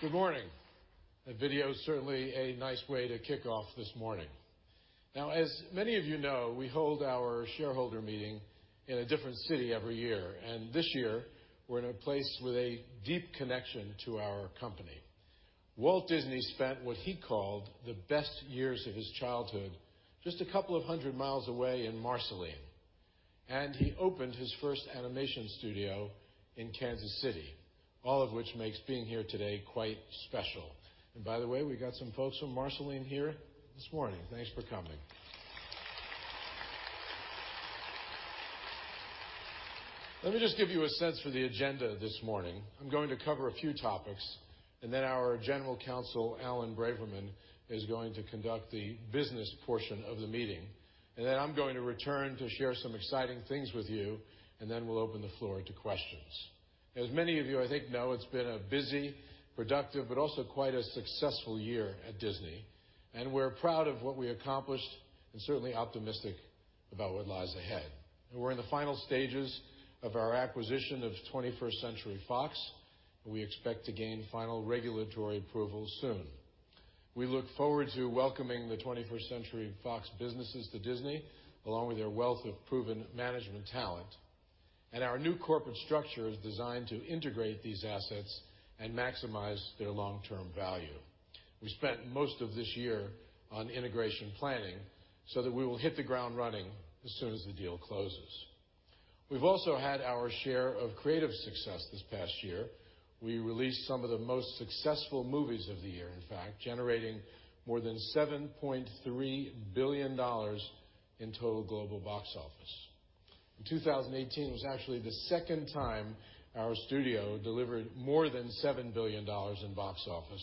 Good morning. That video is certainly a nice way to kick off this morning. As many of you know, we hold our shareholder meeting in a different city every year. This year, we're in a place with a deep connection to our company. Walt Disney spent what he called the best years of his childhood just a couple of hundred miles away in Marceline, and he opened his first animation studio in Kansas City, all of which makes being here today quite special. By the way, we got some folks from Marceline here this morning. Thanks for coming. Let me just give you a sense for the agenda this morning. I'm going to cover a few topics, our General Counsel, Alan Braverman, is going to conduct the business portion of the meeting. I'm going to return to share some exciting things with you, we'll open the floor to questions. As many of you, I think, know, it's been a busy, productive, but also quite a successful year at Disney, we're proud of what we accomplished and certainly optimistic about what lies ahead. We're in the final stages of our acquisition of 21st Century Fox, we expect to gain final regulatory approval soon. We look forward to welcoming the 21st Century Fox businesses to Disney, along with their wealth of proven management talent. Our new corporate structure is designed to integrate these assets and maximize their long-term value. We spent most of this year on integration planning so that we will hit the ground running as soon as the deal closes. We've also had our share of creative success this past year. We released some of the most successful movies of the year, in fact, generating more than $7.3 billion in total global box office. In 2018, was actually the second time our studio delivered more than $7 billion in box office,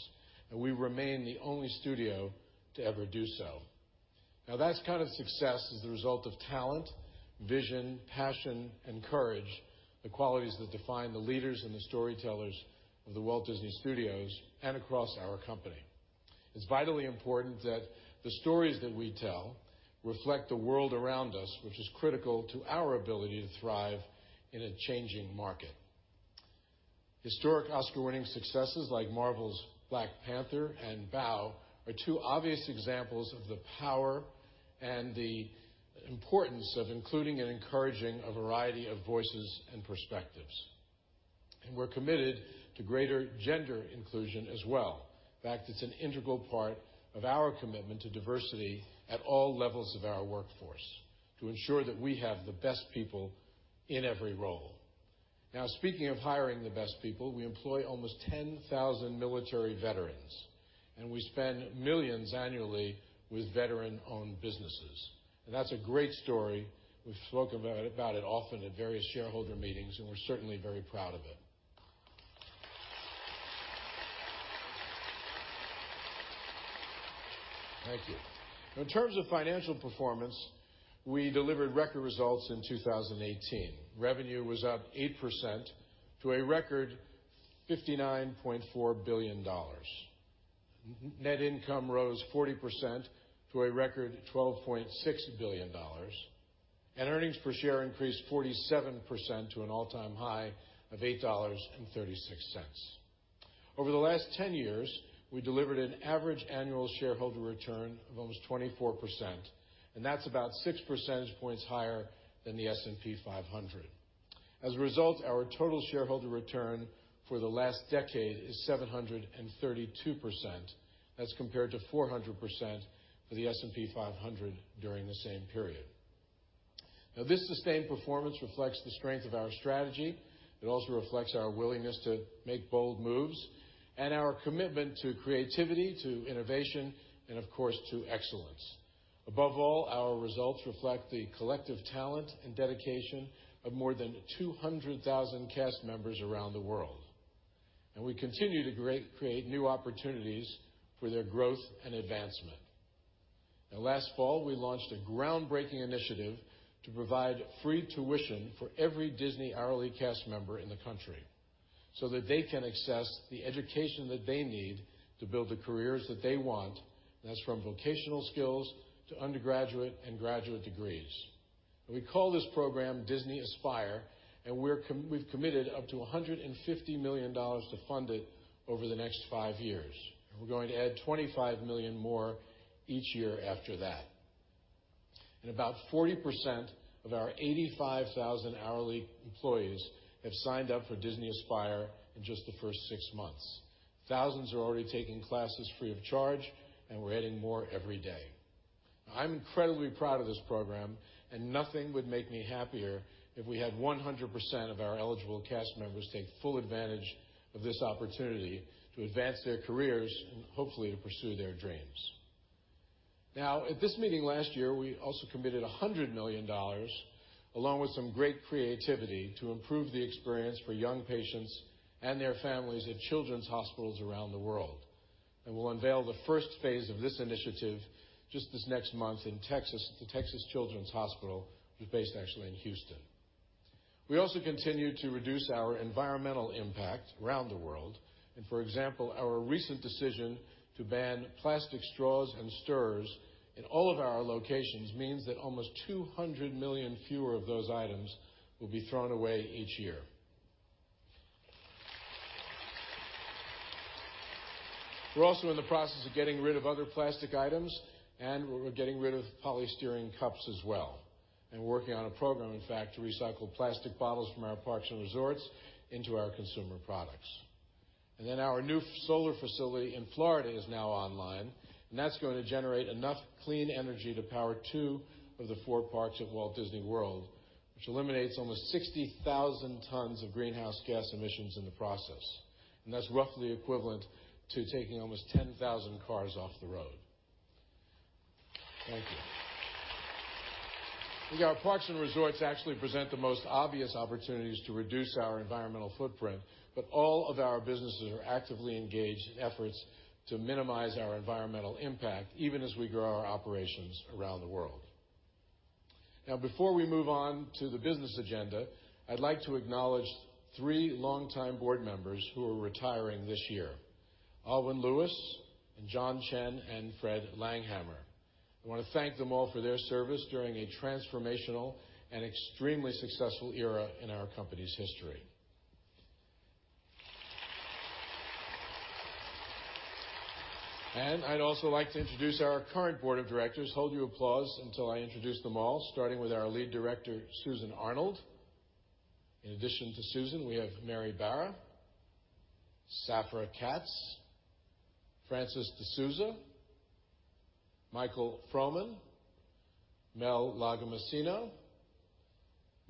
we remain the only studio to ever do so. That kind of success is the result of talent, vision, passion, and courage, the qualities that define the leaders and the storytellers of the Walt Disney Studios and across our company. It's vitally important that the stories that we tell reflect the world around us, which is critical to our ability to thrive in a changing market. Historic Oscar-winning successes like Marvel's Black Panther and Bao are two obvious examples of the power and the importance of including and encouraging a variety of voices and perspectives. We're committed to greater gender inclusion as well. In fact, it's an integral part of our commitment to diversity at all levels of our workforce to ensure that we have the best people in every role. Speaking of hiring the best people, we employ almost 10,000 military veterans, we spend millions annually with veteran-owned businesses. That's a great story. We've spoken about it often at various shareholder meetings, we're certainly very proud of it. Thank you. In terms of financial performance, we delivered record results in 2018. Revenue was up 8% to a record $59.4 billion. Net income rose 40% to a record $12.6 billion, earnings per share increased 47% to an all-time high of $8.36. Over the last 10 years, we delivered an average annual shareholder return of almost 24%, that's about six percentage points higher than the S&P 500. As a result, our total shareholder return for the last decade is 732%. That's compared to 400% for the S&P 500 during the same period. Now this sustained performance reflects the strength of our strategy. It also reflects our willingness to make bold moves and our commitment to creativity, to innovation, and of course, to excellence. Above all, our results reflect the collective talent and dedication of more than 200,000 cast members around the world. We continue to create new opportunities for their growth and advancement. Now last fall, we launched a groundbreaking initiative to provide free tuition for every Disney hourly cast member in the country so that they can access the education that they need to build the careers that they want. That's from vocational skills to undergraduate and graduate degrees. We call this program Disney Aspire, and we've committed up to $150 million to fund it over the next five years. We're going to add $25 million more each year after that. About 40% of our 85,000 hourly employees have signed up for Disney Aspire in just the first six months. Thousands are already taking classes free of charge, and we're adding more every day. I'm incredibly proud of this program, and nothing would make me happier if we had 100% of our eligible cast members take full advantage of this opportunity to advance their careers and hopefully to pursue their dreams. Now, at this meeting last year, we also committed $100 million, along with some great creativity, to improve the experience for young patients and their families at children's hospitals around the world. We'll unveil the first phase of this initiative just this next month in Texas, the Texas Children's Hospital, which is based actually in Houston. We also continue to reduce our environmental impact around the world. For example, our recent decision to ban plastic straws and stirrers in all of our locations means that almost 200 million fewer of those items will be thrown away each year. We're also in the process of getting rid of other plastic items, and we're getting rid of polystyrene cups as well, and working on a program, in fact, to recycle plastic bottles from our parks and resorts into our consumer products. Our new solar facility in Florida is now online, and that's going to generate enough clean energy to power two of the four parts of Walt Disney World, which eliminates almost 60,000 tons of greenhouse gas emissions in the process. That's roughly equivalent to taking almost 10,000 cars off the road. Thank you. Our parks and resorts actually present the most obvious opportunities to reduce our environmental footprint, but all of our businesses are actively engaged in efforts to minimize our environmental impact, even as we grow our operations around the world. Now, before we move on to the business agenda, I'd like to acknowledge three longtime board members who are retiring this year: Aylwin Lewis, John Chen, and Fred Langhammer. I want to thank them all for their service during a transformational and extremely successful era in our company's history. I'd also like to introduce our current board of directors. Hold your applause until I introduce them all, starting with our lead director, Susan Arnold. In addition to Susan, we have Mary Barra, Safra Catz, Francis deSouza, Michael Froman, Mel Lagomasino,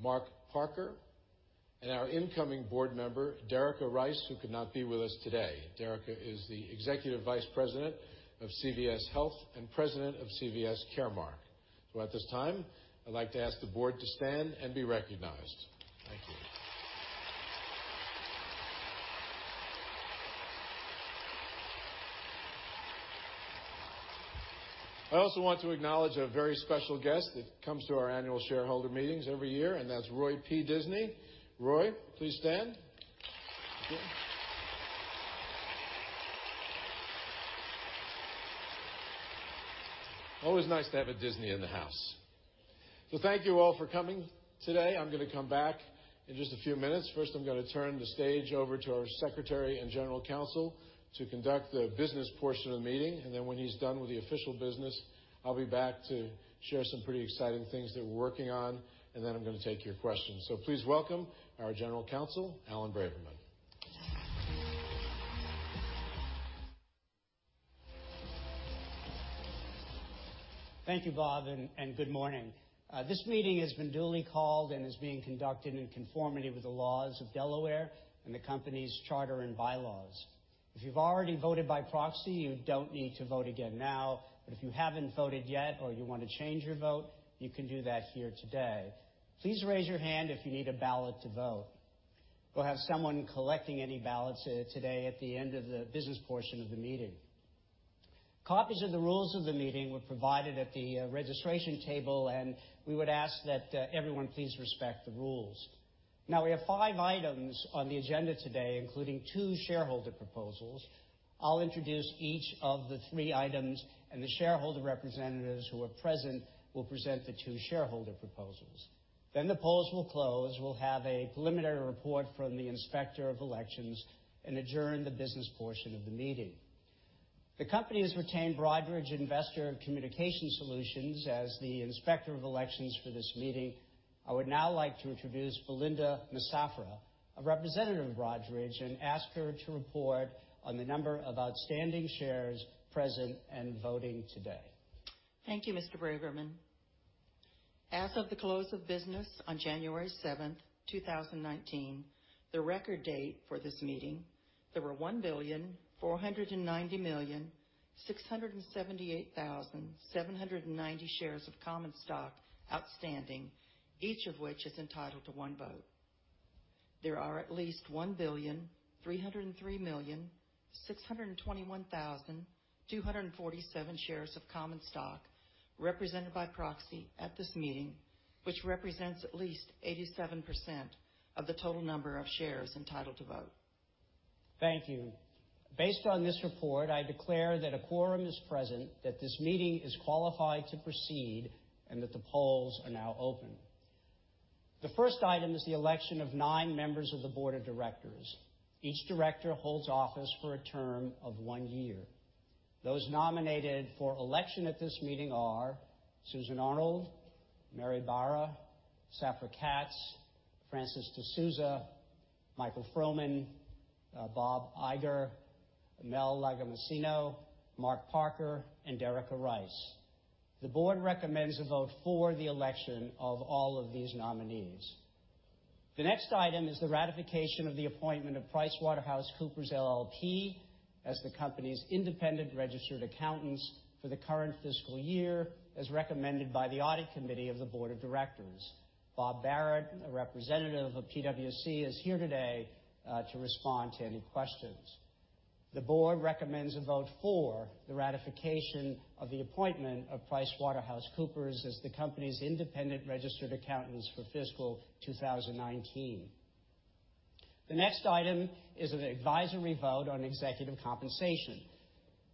Mark Parker, and our incoming board member, Derica Rice, who could not be with us today. Derica is the Executive Vice President of CVS Health and President of CVS Caremark. At this time, I'd like to ask the board to stand and be recognized. Thank you. I also want to acknowledge a very special guest that comes to our annual shareholder meetings every year, and that's Roy P. Disney. Roy, please stand. Thank you. Always nice to have a Disney in the house. Thank you all for coming today. I'm going to come back in just a few minutes. First, I'm going to turn the stage over to our Secretary and General Counsel to conduct the business portion of the meeting. When he's done with the official business, I'll be back to share some pretty exciting things that we're working on, I'm going to take your questions. Please welcome our General Counsel, Alan Braverman. Thank you, Bob, good morning. This meeting has been duly called and is being conducted in conformity with the laws of Delaware and the company's charter and bylaws. If you've already voted by proxy, you don't need to vote again now, but if you haven't voted yet or you want to change your vote, you can do that here today. Please raise your hand if you need a ballot to vote. We'll have someone collecting any ballots today at the end of the business portion of the meeting. Copies of the rules of the meeting were provided at the registration table, and we would ask that everyone please respect the rules. We have five items on the agenda today, including two shareholder proposals. I'll introduce each of the three items, and the shareholder representatives who are present will present the two shareholder proposals. The polls will close. We'll have a preliminary report from the Inspector of Elections and adjourn the business portion of the meeting. The company has retained Broadridge Investor Communication Solutions as the Inspector of Elections for this meeting. I would now like to introduce Belinda Massafra, a representative of Broadridge, and ask her to report on the number of outstanding shares present and voting today. Thank you, Mr. Braverman. As of the close of business on January 7th, 2019, the record date for this meeting, there were 1,490,678,790 shares of common stock outstanding, each of which is entitled to one vote. There are at least 1,303,621,247 shares of common stock represented by proxy at this meeting, which represents at least 87% of the total number of shares entitled to vote. Thank you. Based on this report, I declare that a quorum is present, that this meeting is qualified to proceed, and that the polls are now open. The first item is the election of nine members of the board of directors. Each director holds office for a term of one year. Those nominated for election at this meeting are Susan Arnold, Mary Barra, Safra Catz, Francis deSouza, Michael Froman, Bob Iger, Mel Lagomasino, Mark Parker, and Derica Rice. The board recommends a vote for the election of all of these nominees. The next item is the ratification of the appointment of PricewaterhouseCoopers LLP as the company's independent registered accountants for the current fiscal year, as recommended by the Audit Committee of the Board of Directors. Bob Barrett, a representative of PwC, is here today to respond to any questions. The board recommends a vote for the ratification of the appointment of PricewaterhouseCoopers as the company's independent registered accountants for fiscal 2019. The next item is an advisory vote on executive compensation.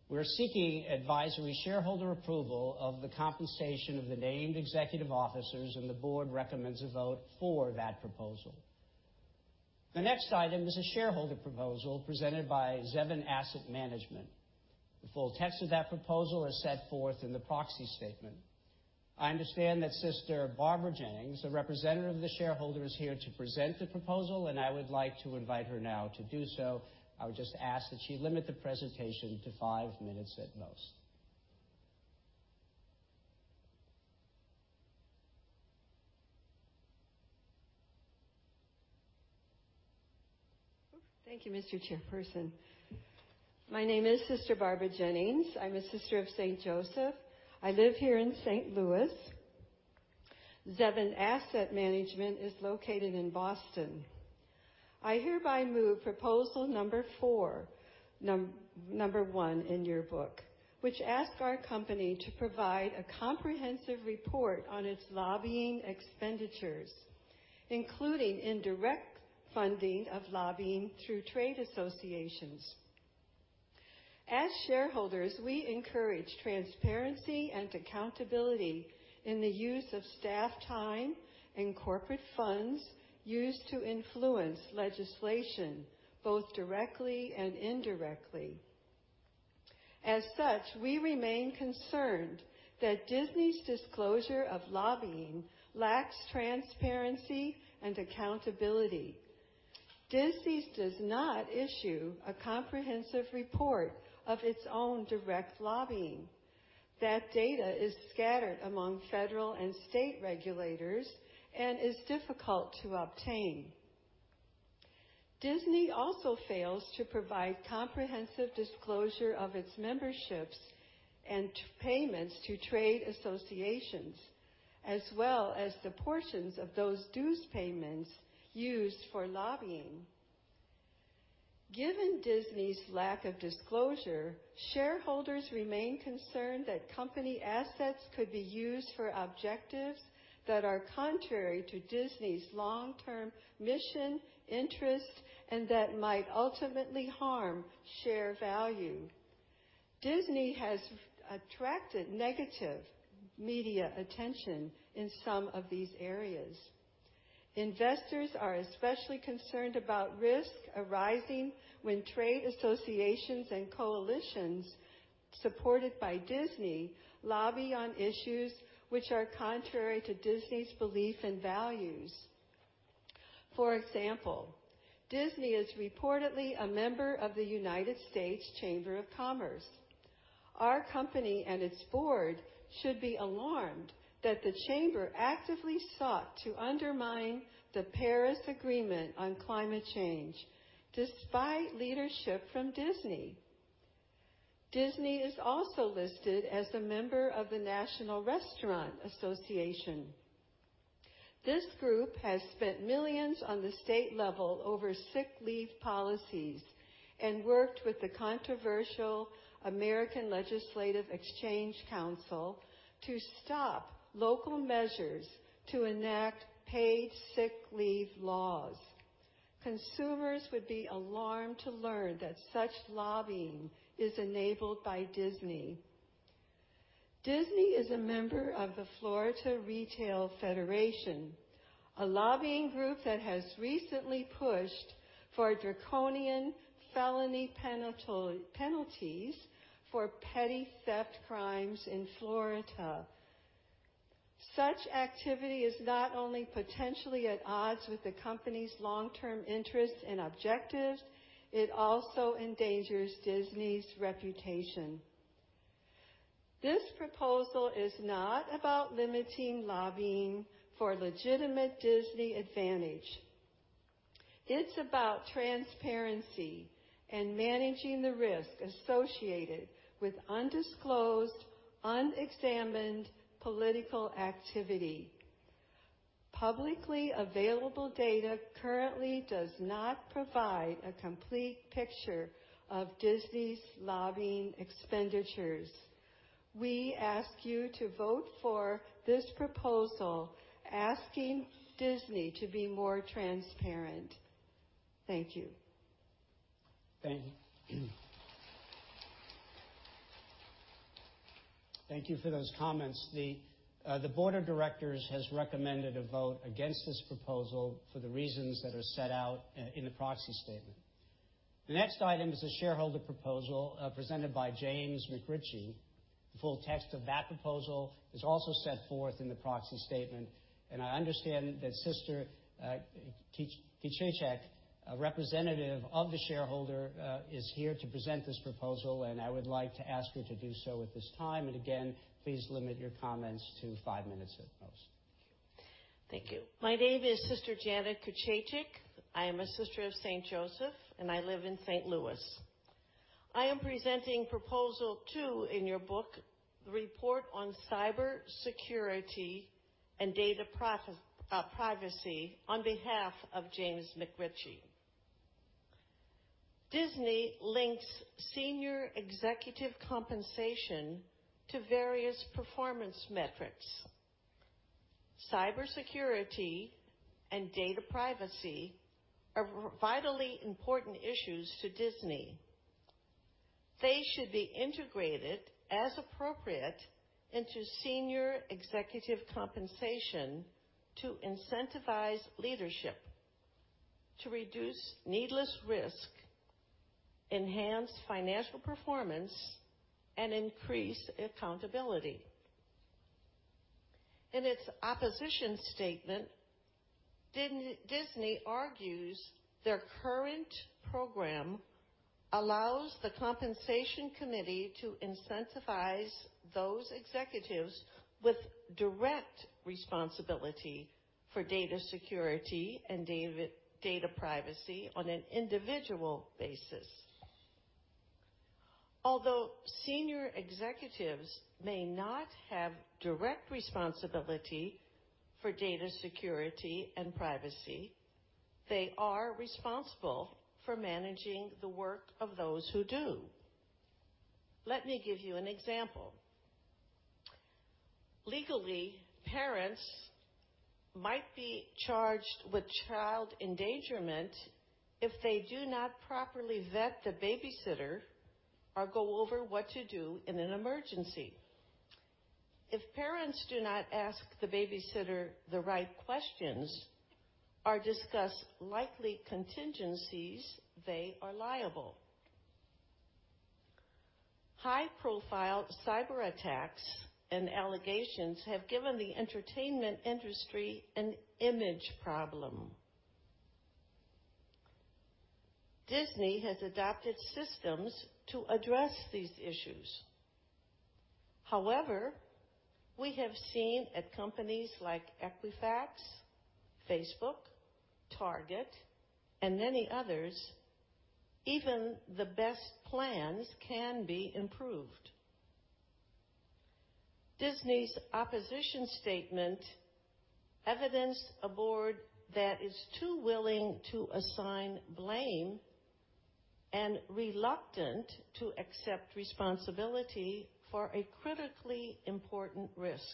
We're seeking advisory shareholder approval of the compensation of the named executive officers, and the board recommends a vote for that proposal. The next item is a shareholder proposal presented by Zevin Asset Management. The full text of that proposal is set forth in the proxy statement. I understand that Sister Barbara Jennings, a representative of the shareholder, is here to present the proposal, and I would like to invite her now to do so. I would just ask that she limit the presentation to five minutes at most. Thank you, Mr. Chairperson. My name is Sister Barbara Jennings. I'm a Sister of St. Joseph. I live here in St. Louis. Zevin Asset Management is located in Boston. I hereby move proposal number 4, number one in your book, which asks our company to provide a comprehensive report on its lobbying expenditures, including indirect funding of lobbying through trade associations. As shareholders, we encourage transparency and accountability in the use of staff time and corporate funds used to influence legislation, both directly and indirectly. As such, we remain concerned that Disney's disclosure of lobbying lacks transparency and accountability. Disney does not issue a comprehensive report of its own direct lobbying. That data is scattered among federal and state regulators and is difficult to obtain. Disney also fails to provide comprehensive disclosure of its memberships and payments to trade associations, as well as the portions of those dues payments used for lobbying. Given Disney's lack of disclosure, shareholders remain concerned that company assets could be used for objectives that are contrary to Disney's long-term mission, interests, and that might ultimately harm share value. Disney has attracted negative media attention in some of these areas. Investors are especially concerned about risks arising when trade associations and coalitions supported by Disney lobby on issues which are contrary to Disney's belief and values. For example, Disney is reportedly a member of the United States Chamber of Commerce. Our company and its board should be alarmed that the Chamber actively sought to undermine the Paris Agreement on climate change, despite leadership from Disney. Disney is also listed as a member of the National Restaurant Association. This group has spent millions on the state level over sick leave policies and worked with the controversial American Legislative Exchange Council to stop local measures to enact paid sick leave laws. Consumers would be alarmed to learn that such lobbying is enabled by Disney. Disney is a member of the Florida Retail Federation, a lobbying group that has recently pushed for draconian felony penalties for petty theft crimes in Florida. Such activity is not only potentially at odds with the company's long-term interests and objectives, it also endangers Disney's reputation. This proposal is not about limiting lobbying for legitimate Disney advantage. It is about transparency and managing the risk associated with undisclosed, unexamined political activity. Publicly available data currently does not provide a complete picture of Disney's lobbying expenditures. We ask you to vote for this proposal asking Disney to be more transparent. Thank you. Thank you. Thank you for those comments. The board of directors has recommended a vote against this proposal for the reasons that are set out in the proxy statement. The next item is a shareholder proposal presented by James McRitchie. The full text of that proposal is also set forth in the proxy statement. I understand that Sister Krzastek, a representative of the shareholder, is here to present this proposal, and I would like to ask her to do so at this time. Again, please limit your comments to five minutes at most. Thank you. My name is Sister Janet Krzastek. I am a Sister of St. Joseph, and I live in St. Louis. I am presenting proposal two in your book, the report on cybersecurity and data privacy on behalf of James McRitchie. Disney links senior executive compensation to various performance metrics. Cybersecurity and data privacy are vitally important issues to Disney. They should be integrated as appropriate into senior executive compensation to incentivize leadership, to reduce needless risk, enhance financial performance, and increase accountability. In its opposition statement, Disney argues their current program allows the compensation committee to incentivize those executives with direct responsibility for data security and data privacy on an individual basis. Although senior executives may not have direct responsibility for data security and privacy, they are responsible for managing the work of those who do. Let me give you an example. Legally, parents might be charged with child endangerment if they do not properly vet the babysitter or go over what to do in an emergency. If parents do not ask the babysitter the right questions or discuss likely contingencies, they are liable. High-profile cyberattacks and allegations have given the entertainment industry an image problem. Disney has adopted systems to address these issues. We have seen at companies like Equifax, Facebook, Target, and many others, even the best plans can be improved. Disney's opposition statement evidenced a board that is too willing to assign blame and reluctant to accept responsibility for a critically important risk.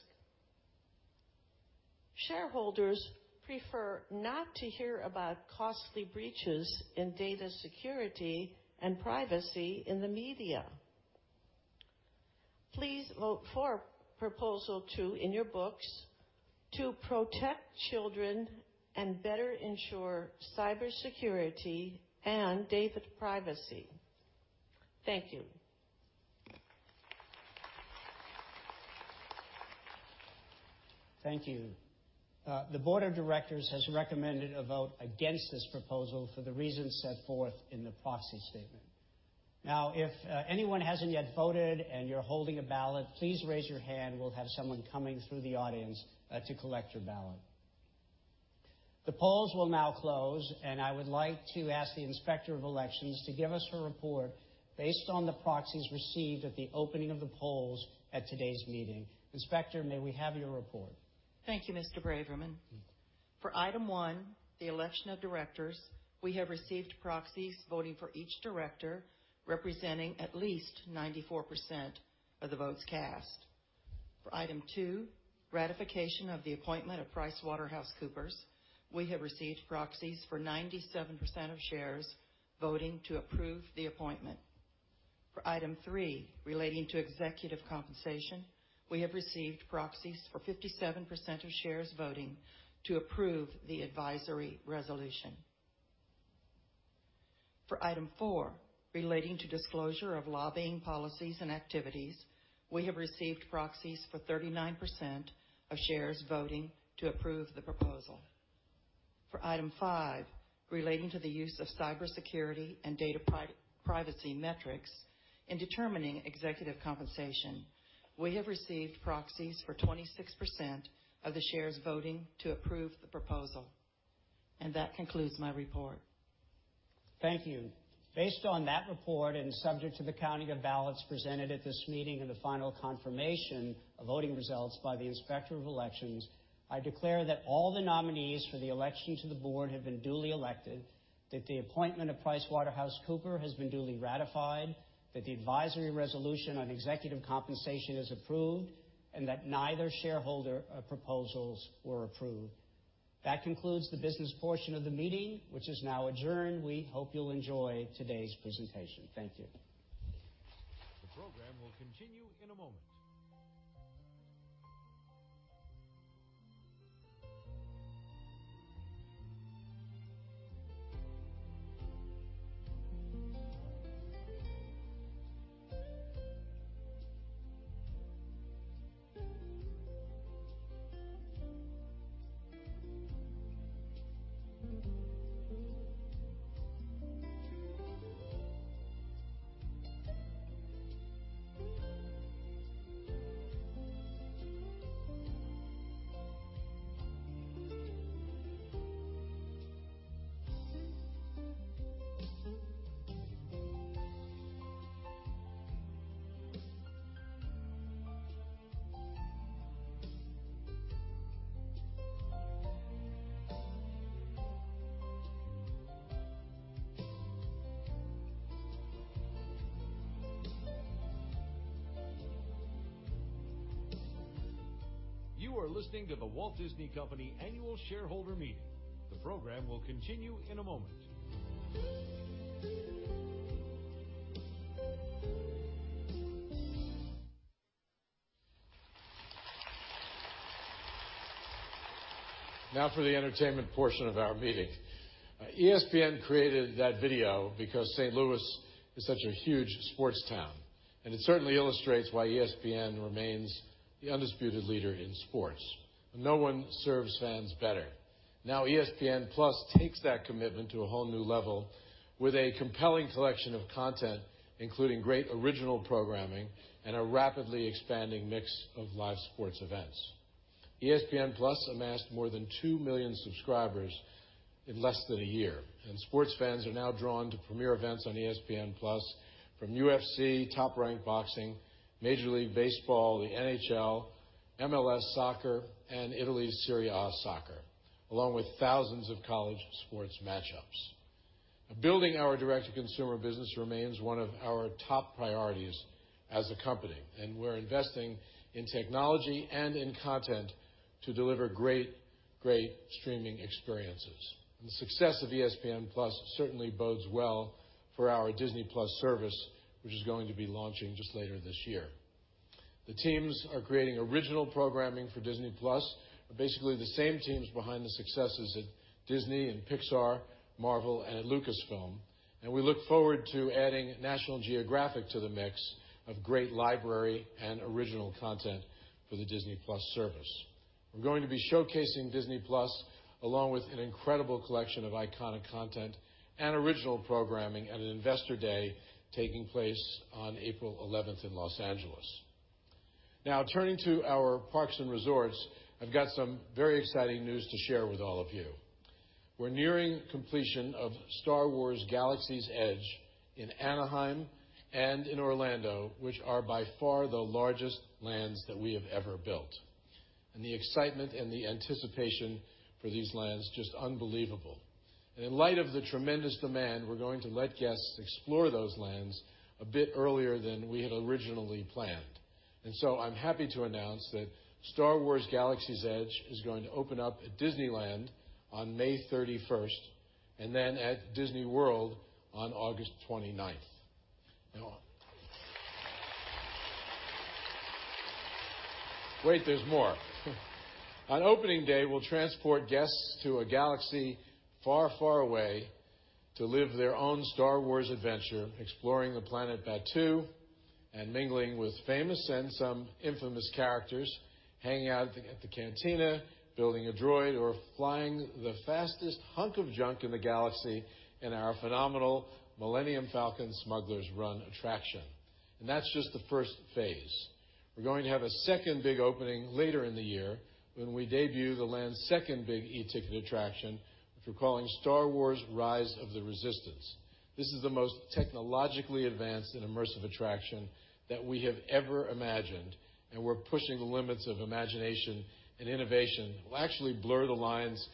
Shareholders prefer not to hear about costly breaches in data security and privacy in the media. Please vote for proposal two in your books to protect children and better ensure cybersecurity and data privacy. Thank you. Thank you. The board of directors has recommended a vote against this proposal for the reasons set forth in the proxy statement. If anyone hasn't yet voted and you're holding a ballot, please raise your hand. We'll have someone coming through the audience to collect your ballot. The polls will now close. I would like to ask the Inspector of Elections to give us her report based on the proxies received at the opening of the polls at today's meeting. Inspector, may we have your report? Thank you, Mr. Braverman. For item one, the election of directors, we have received proxies voting for each director, representing at least 94% of the votes cast. For item two, ratification of the appointment of PricewaterhouseCoopers, we have received proxies for 97% of shares voting to approve the appointment. For item three, relating to executive compensation, we have received proxies for 57% of shares voting to approve the advisory resolution. For item four, relating to disclosure of lobbying policies and activities, we have received proxies for 39% of shares voting to approve the proposal. For item five, relating to the use of cybersecurity and data privacy metrics in determining executive compensation, we have received proxies for 26% of the shares voting to approve the proposal. That concludes my report. Thank you. Based on that report and subject to the counting of ballots presented at this meeting and the final confirmation of voting results by the Inspector of Elections, I declare that all the nominees for the election to the board have been duly elected, that the appointment of PricewaterhouseCoopers has been duly ratified, that the advisory resolution on executive compensation is approved, and that neither shareholder proposals were approved. That concludes the business portion of the meeting, which is now adjourned. We hope you'll enjoy today's presentation. Thank you. The program will continue in a moment. You are listening to The Walt Disney Company Annual Shareholder Meeting. The program will continue in a moment. For the entertainment portion of our meeting. ESPN created that video because St. Louis is such a huge sports town, it certainly illustrates why ESPN remains the undisputed leader in sports. No one serves fans better. ESPN+ takes that commitment to a whole new level with a compelling collection of content, including great original programming and a rapidly expanding mix of live sports events. ESPN+ amassed more than 2 million subscribers in less than a year, sports fans are now drawn to premier events on ESPN+, from UFC, top-ranked boxing, Major League Baseball, the NHL, MLS soccer, and Italy's Serie A soccer, along with thousands of college sports match-ups. Building our direct-to-consumer business remains one of our top priorities as a company, we're investing in technology and in content to deliver great streaming experiences. The success of ESPN+ certainly bodes well for our Disney+ service, which is going to be launching just later this year. The teams are creating original programming for Disney+, basically the same teams behind the successes at Disney and Pixar, Marvel, and at Lucasfilm. We look forward to adding National Geographic to the mix of great library and original content for the Disney+ service. We're going to be showcasing Disney+ along with an incredible collection of iconic content and original programming at an investor day taking place on April 11th in Los Angeles. Turning to our parks and resorts, I've got some very exciting news to share with all of you. We're nearing completion of Star Wars: Galaxy's Edge in Anaheim and in Orlando, which are by far the largest lands that we have ever built. The excitement and the anticipation for these lands, just unbelievable. In light of the tremendous demand, we're going to let guests explore those lands a bit earlier than we had originally planned. I'm happy to announce that Star Wars: Galaxy's Edge is going to open up at Disneyland on May 31st and then at Disney World on August 29th. Wait, there's more. On opening day, we'll transport guests to a galaxy far away to live their own Star Wars adventure, exploring the planet Batuu and mingling with famous and some infamous characters, hanging out at the cantina, building a droid, or flying the fastest hunk of junk in the galaxy in our phenomenal Millennium Falcon: Smugglers Run attraction. That's just the first phase. We're going to have a second big opening later in the year when we debut the land's second big E-ticket attraction, which we're calling Star Wars: Rise of the Resistance. This is the most technologically advanced and immersive attraction that we have ever imagined, and we're pushing the limits of imagination and innovation. We'll actually blur the lines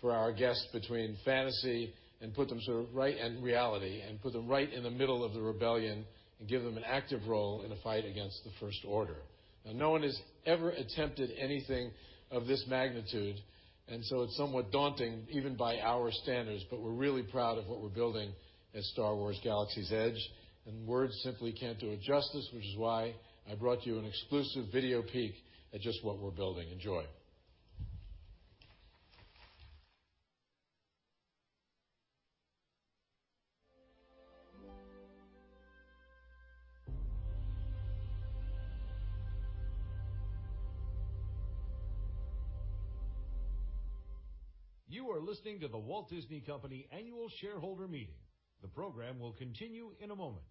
for our guests between fantasy and put them sort of right in reality and put them right in the middle of the rebellion and give them an active role in a fight against the First Order. No one has ever attempted anything of this magnitude, and so it's somewhat daunting even by our standards, but we're really proud of what we're building at Star Wars: Galaxy's Edge. Words simply can't do it justice, which is why I brought you an exclusive video peek at just what we're building. Enjoy. You are listening to The Walt Disney Company Annual Shareholder Meeting. The program will continue in a moment.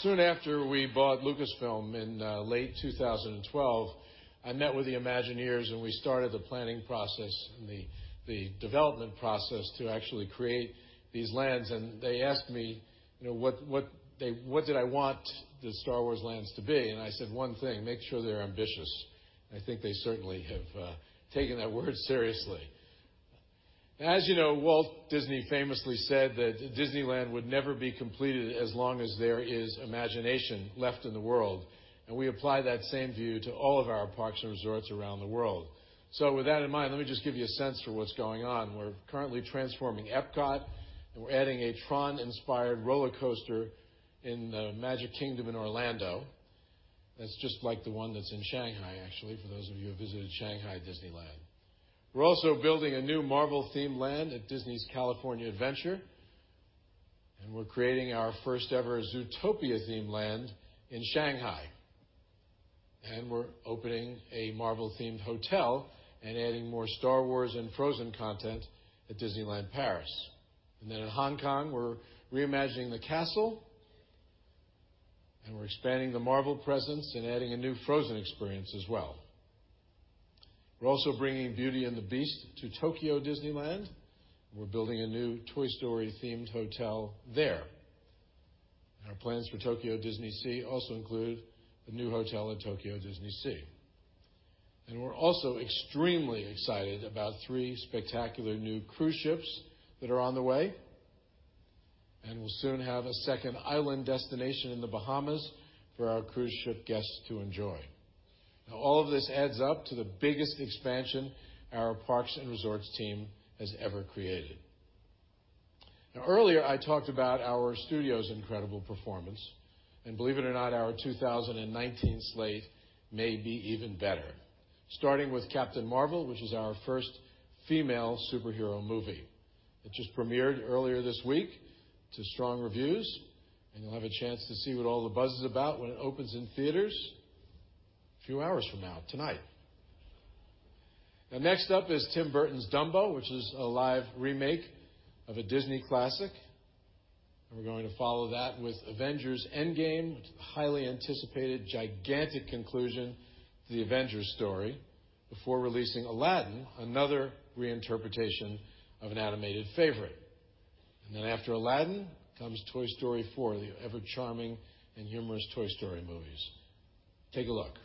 Soon after we bought Lucasfilm in late 2012, I met with the Imagineers and we started the planning process and the development process to actually create these lands. They asked me what did I want the Star Wars lands to be. I said one thing, "Make sure they're ambitious." I think they certainly have taken that word seriously. As you know, Walt Disney famously said that Disneyland would never be completed as long as there is imagination left in the world, and we apply that same view to all of our parks and resorts around the world. With that in mind, let me just give you a sense for what's going on. We're currently transforming Epcot, and we're adding a Tron-inspired rollercoaster in the Magic Kingdom in Orlando. That's just like the one that's in Shanghai, actually, for those of you who have visited Shanghai Disneyland. We're also building a new Marvel-themed land at Disney's California Adventure, and we're creating our first-ever Zootopia-themed land in Shanghai. We're opening a Marvel-themed hotel and adding more Star Wars and Frozen content at Disneyland Paris. In Hong Kong, we're re-imagining the castle, and we're expanding the Marvel presence and adding a new Frozen experience as well. We're also bringing Beauty and the Beast to Tokyo Disneyland. We're building a new Toy Story-themed hotel there. Our plans for Tokyo DisneySea also include a new hotel at Tokyo DisneySea. We're also extremely excited about three spectacular new cruise ships that are on the way, and we'll soon have a second island destination in The Bahamas for our cruise ship guests to enjoy. All of this adds up to the biggest expansion our Parks and Resorts team has ever created. Earlier, I talked about our studio's incredible performance, and believe it or not, our 2019 slate may be even better. Starting with "Captain Marvel," which is our first female superhero movie. It just premiered earlier this week to strong reviews, and you'll have a chance to see what all the buzz is about when it opens in theaters a few hours from now, tonight. Next up is Tim Burton's "Dumbo," which is a live remake of a Disney classic. We're going to follow that with "Avengers: Endgame," which is the highly anticipated, gigantic conclusion to the Avengers story before releasing "Aladdin," another reinterpretation of an animated favorite. After "Aladdin" comes "Toy Story 4," the ever-charming and humorous Toy Story movies. Take a look.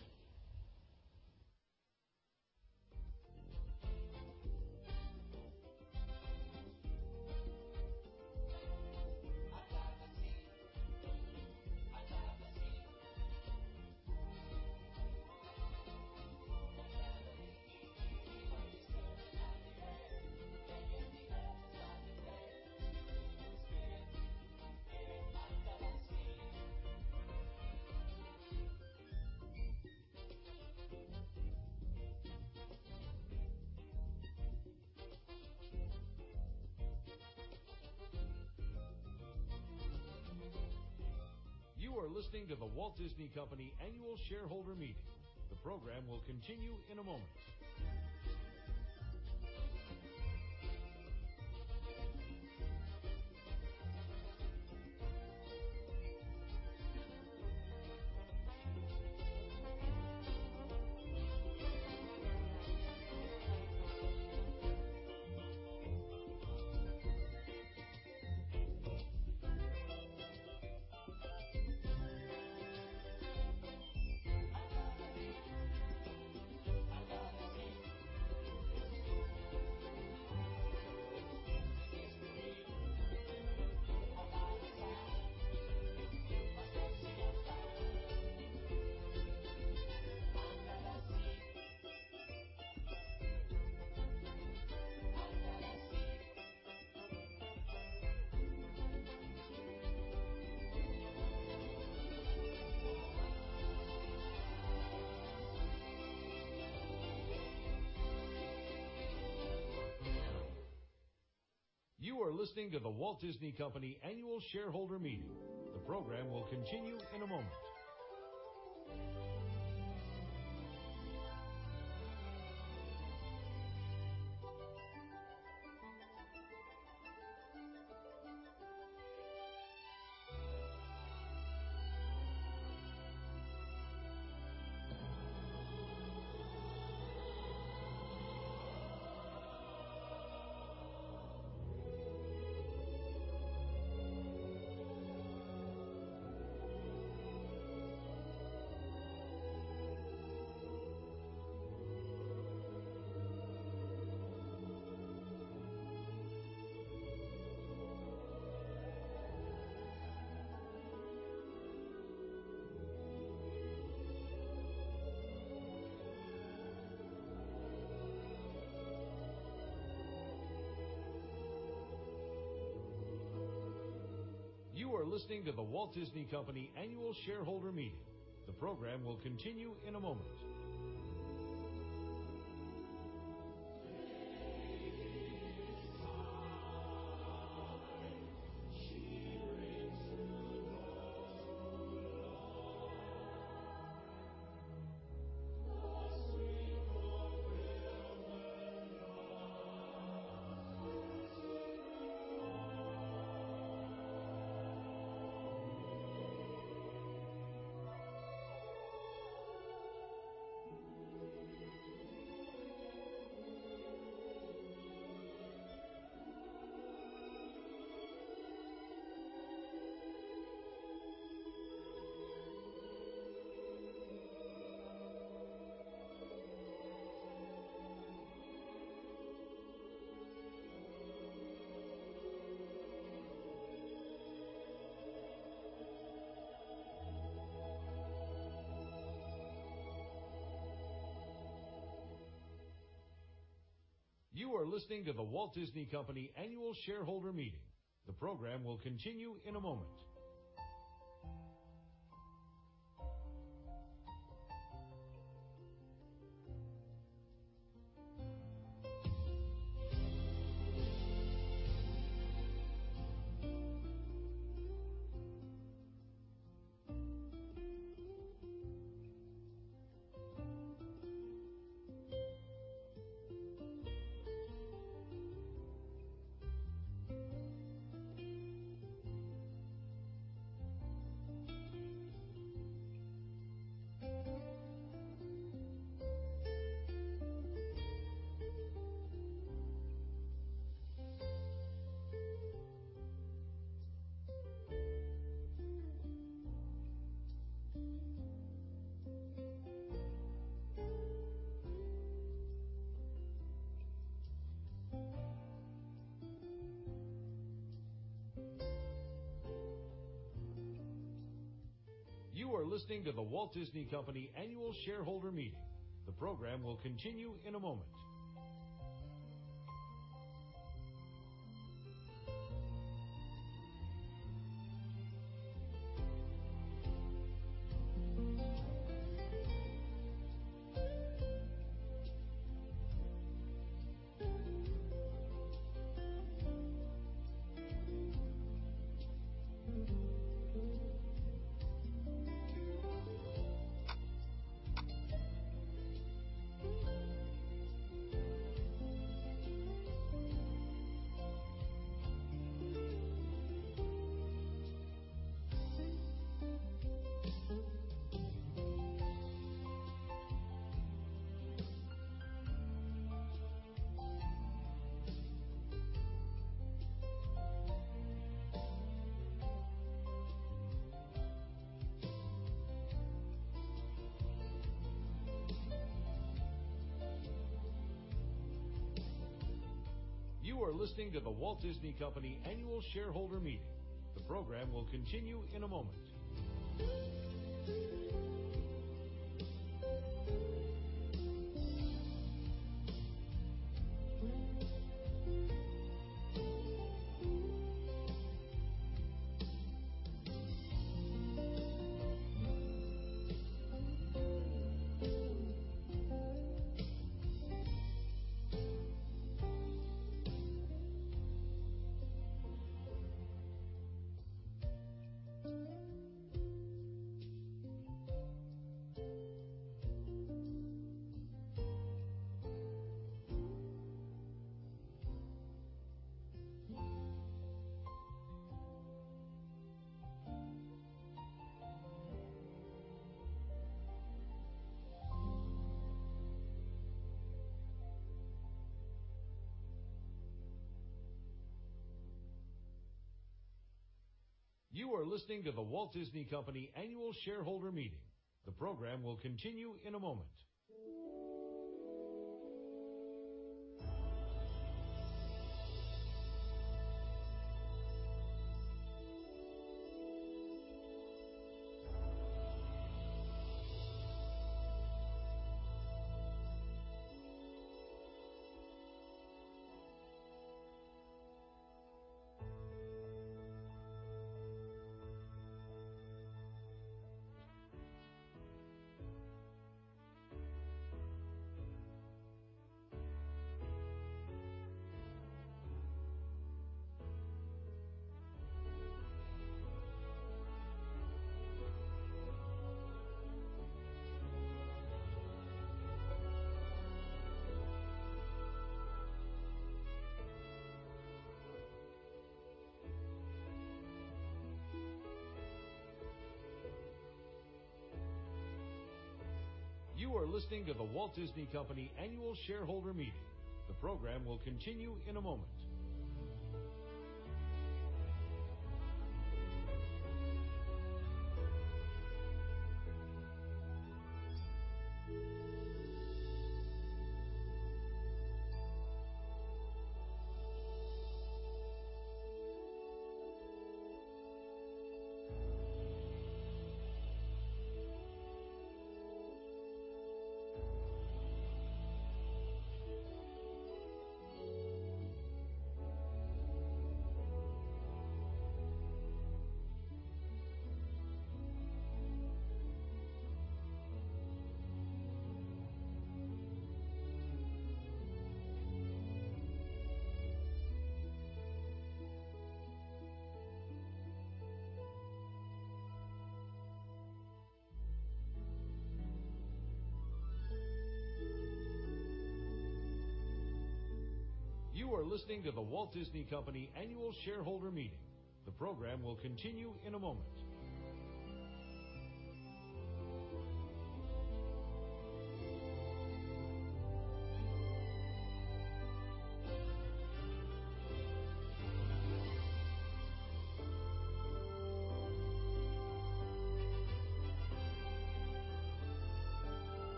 You are listening to The Walt Disney Company Annual Shareholder Meeting. The program will continue in a moment. You are listening to The Walt Disney Company Annual Shareholder Meeting. The program will continue in a moment. You are listening to The Walt Disney Company Annual Shareholder Meeting. The program will continue in a moment. You are listening to The Walt Disney Company Annual Shareholder Meeting. The program will continue in a moment.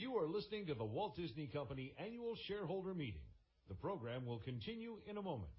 You are listening to The Walt Disney Company Annual Shareholder Meeting. The program will continue in a moment.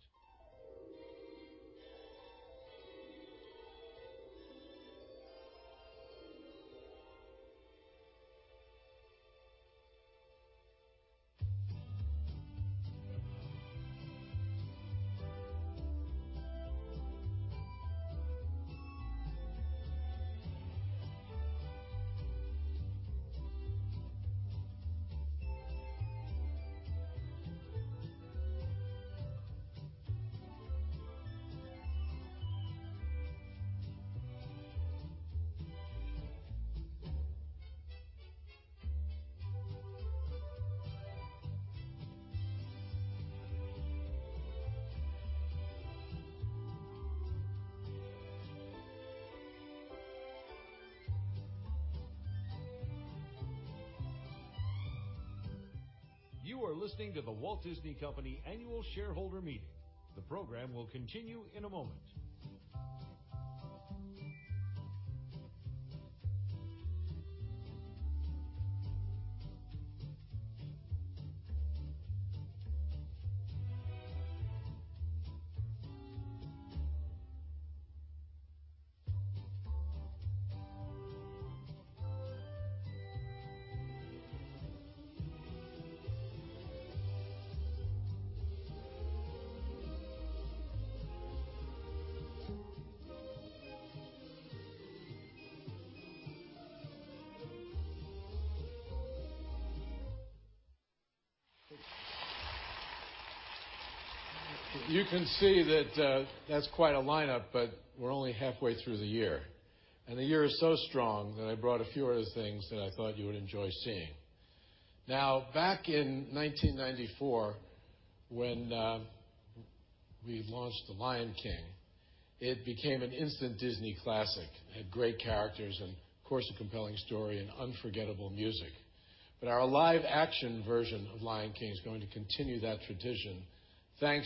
You are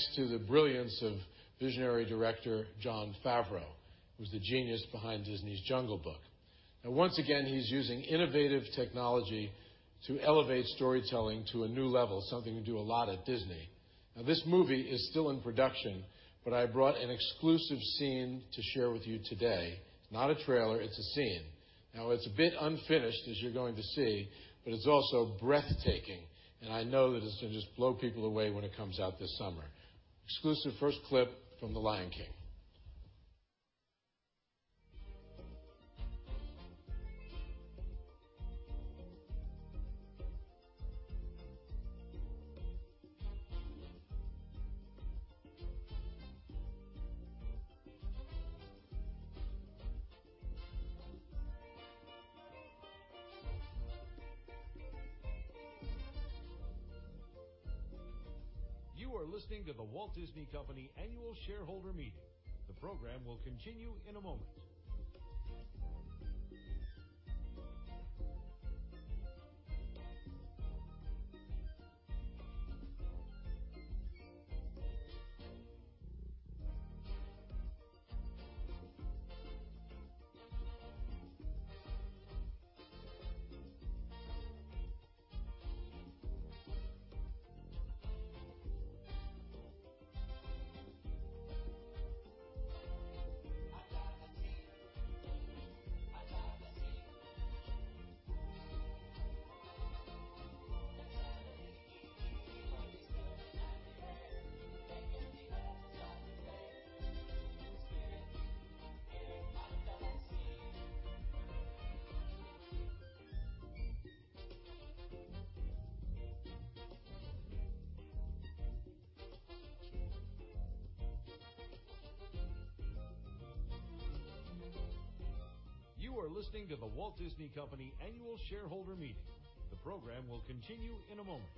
listening to The Walt Disney Company Annual Shareholder Meeting. The program will continue in a moment.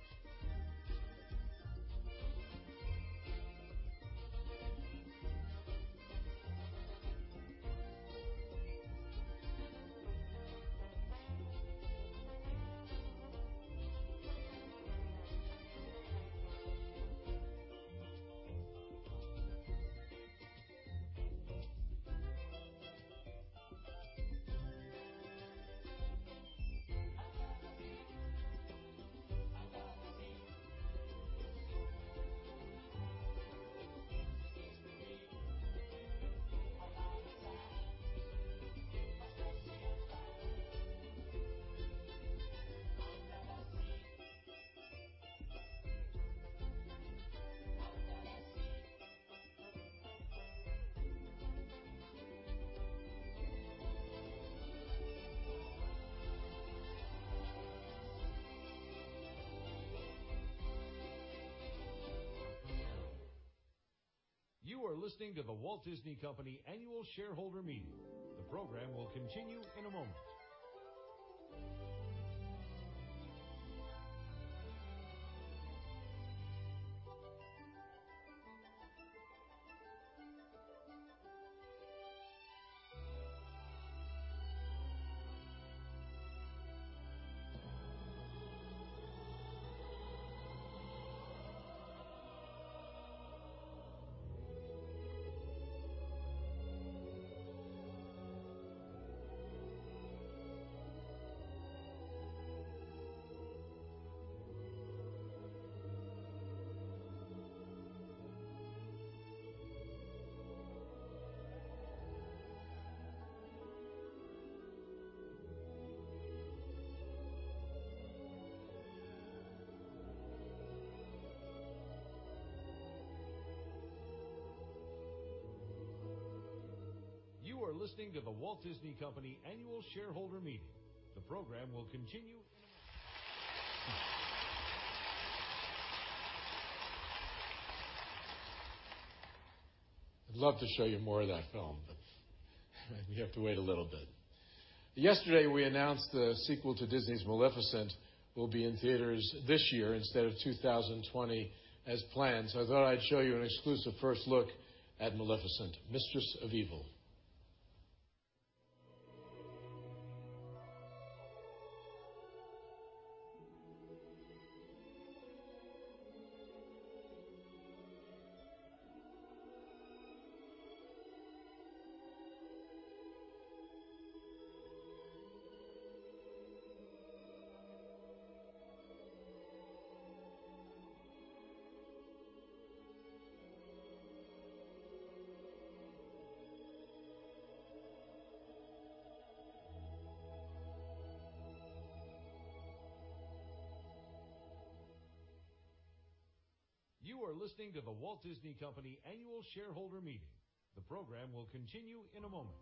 You are listening to The Walt Disney Company Annual Shareholder Meeting. The program will continue in a moment. You are listening to The Walt Disney Company Annual Shareholder Meeting. The program will continue in a moment.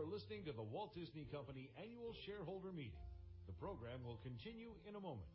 You are listening to The Walt Disney Company Annual Shareholder Meeting. The program will continue in a moment.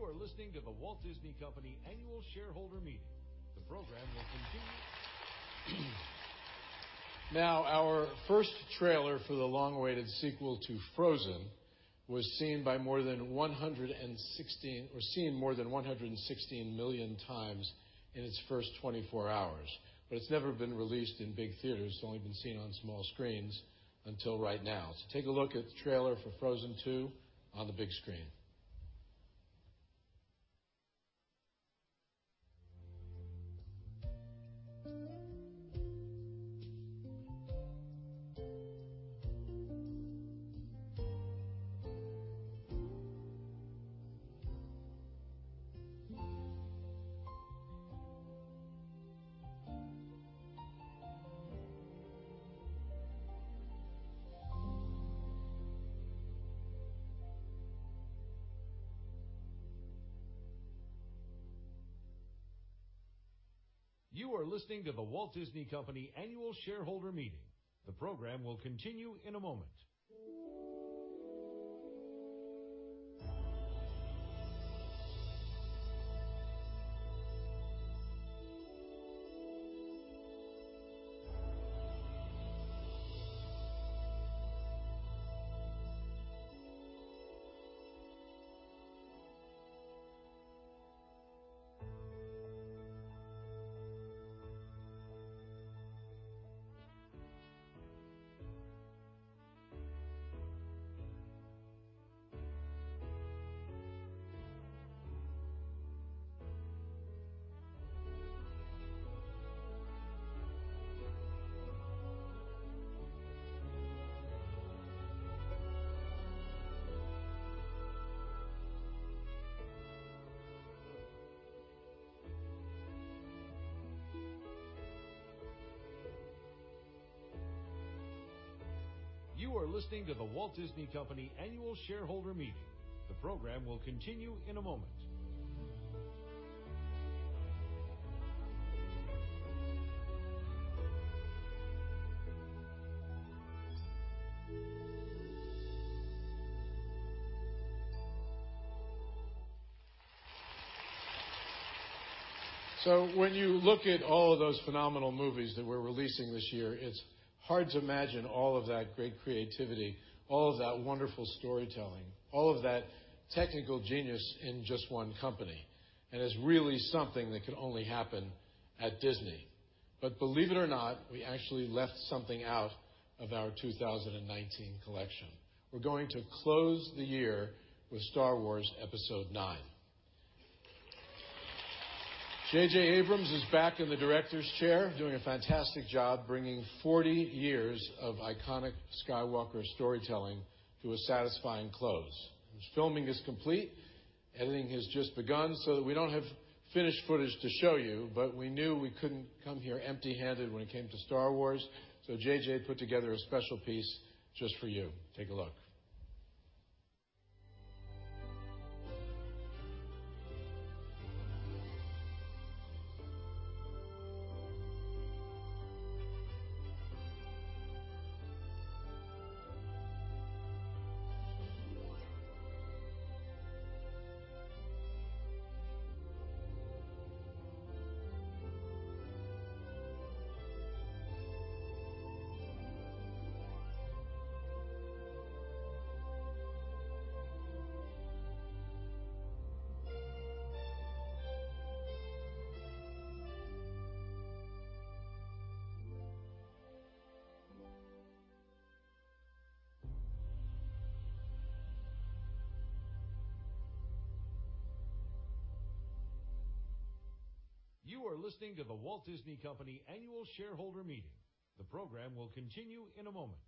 You are listening to The Walt Disney Company Annual Shareholder Meeting. The program will continue in a moment. Our first trailer for the long-awaited sequel to Frozen was seen more than 116 million times in its first 24 hours. It's never been released in big theaters. It's only been seen on small screens until right now. Take a look at the trailer for Frozen 2 on the big screen. You are listening to The Walt Disney Company Annual Shareholder Meeting. The program will continue in a moment. You are listening to The Walt Disney Company Annual Shareholder Meeting. The program will continue in a moment. When you look at all of those phenomenal movies that we're releasing this year, it's hard to imagine all of that great creativity, all of that wonderful storytelling, all of that technical genius in just one company, and it's really something that could only happen at Disney. Believe it or not, we actually left something out of our 2019 collection. We're going to close the year with Star Wars Episode IX. J.J. Abrams is back in the director's chair, doing a fantastic job bringing 40 years of iconic Skywalker storytelling to a satisfying close. His filming is complete. Editing has just begun, so we don't have finished footage to show you, but we knew we couldn't come here empty-handed when it came to Star Wars, so J.J. put together a special piece just for you. Take a look. You are listening to The Walt Disney Company Annual Shareholder Meeting. The program will continue in a moment.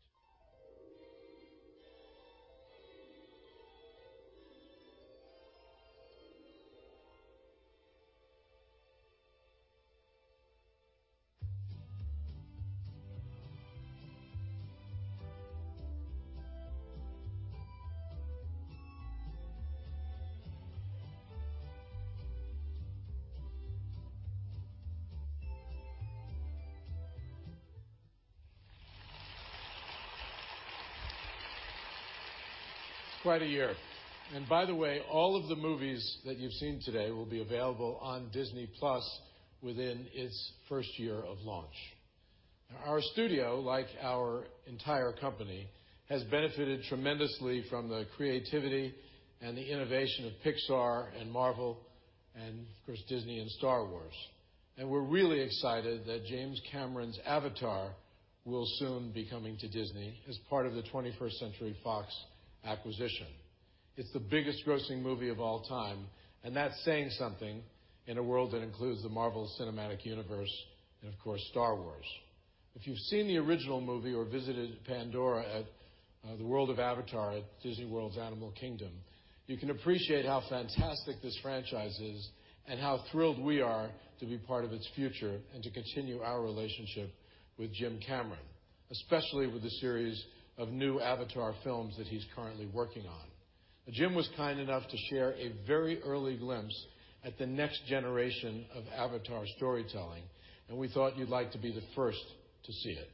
It's quite a year. By the way, all of the movies that you've seen today will be available on Disney+ within its first year of launch. Our studio, like our entire company, has benefited tremendously from the creativity and the innovation of Pixar and Marvel, of course, Disney and Star Wars. We're really excited that James Cameron's Avatar will soon be coming to Disney as part of the 21st Century Fox acquisition. It's the biggest grossing movie of all time, and that's saying something in a world that includes the Marvel Cinematic Universe and, of course, Star Wars. If you've seen the original movie or visited Pandora at the World of Avatar at Disney World's Animal Kingdom, you can appreciate how fantastic this franchise is and how thrilled we are to be part of its future and to continue our relationship with Jim Cameron, especially with the series of new Avatar films that he's currently working on. Jim was kind enough to share a very early glimpse at the next generation of Avatar storytelling, and we thought you'd like to be the first to see it.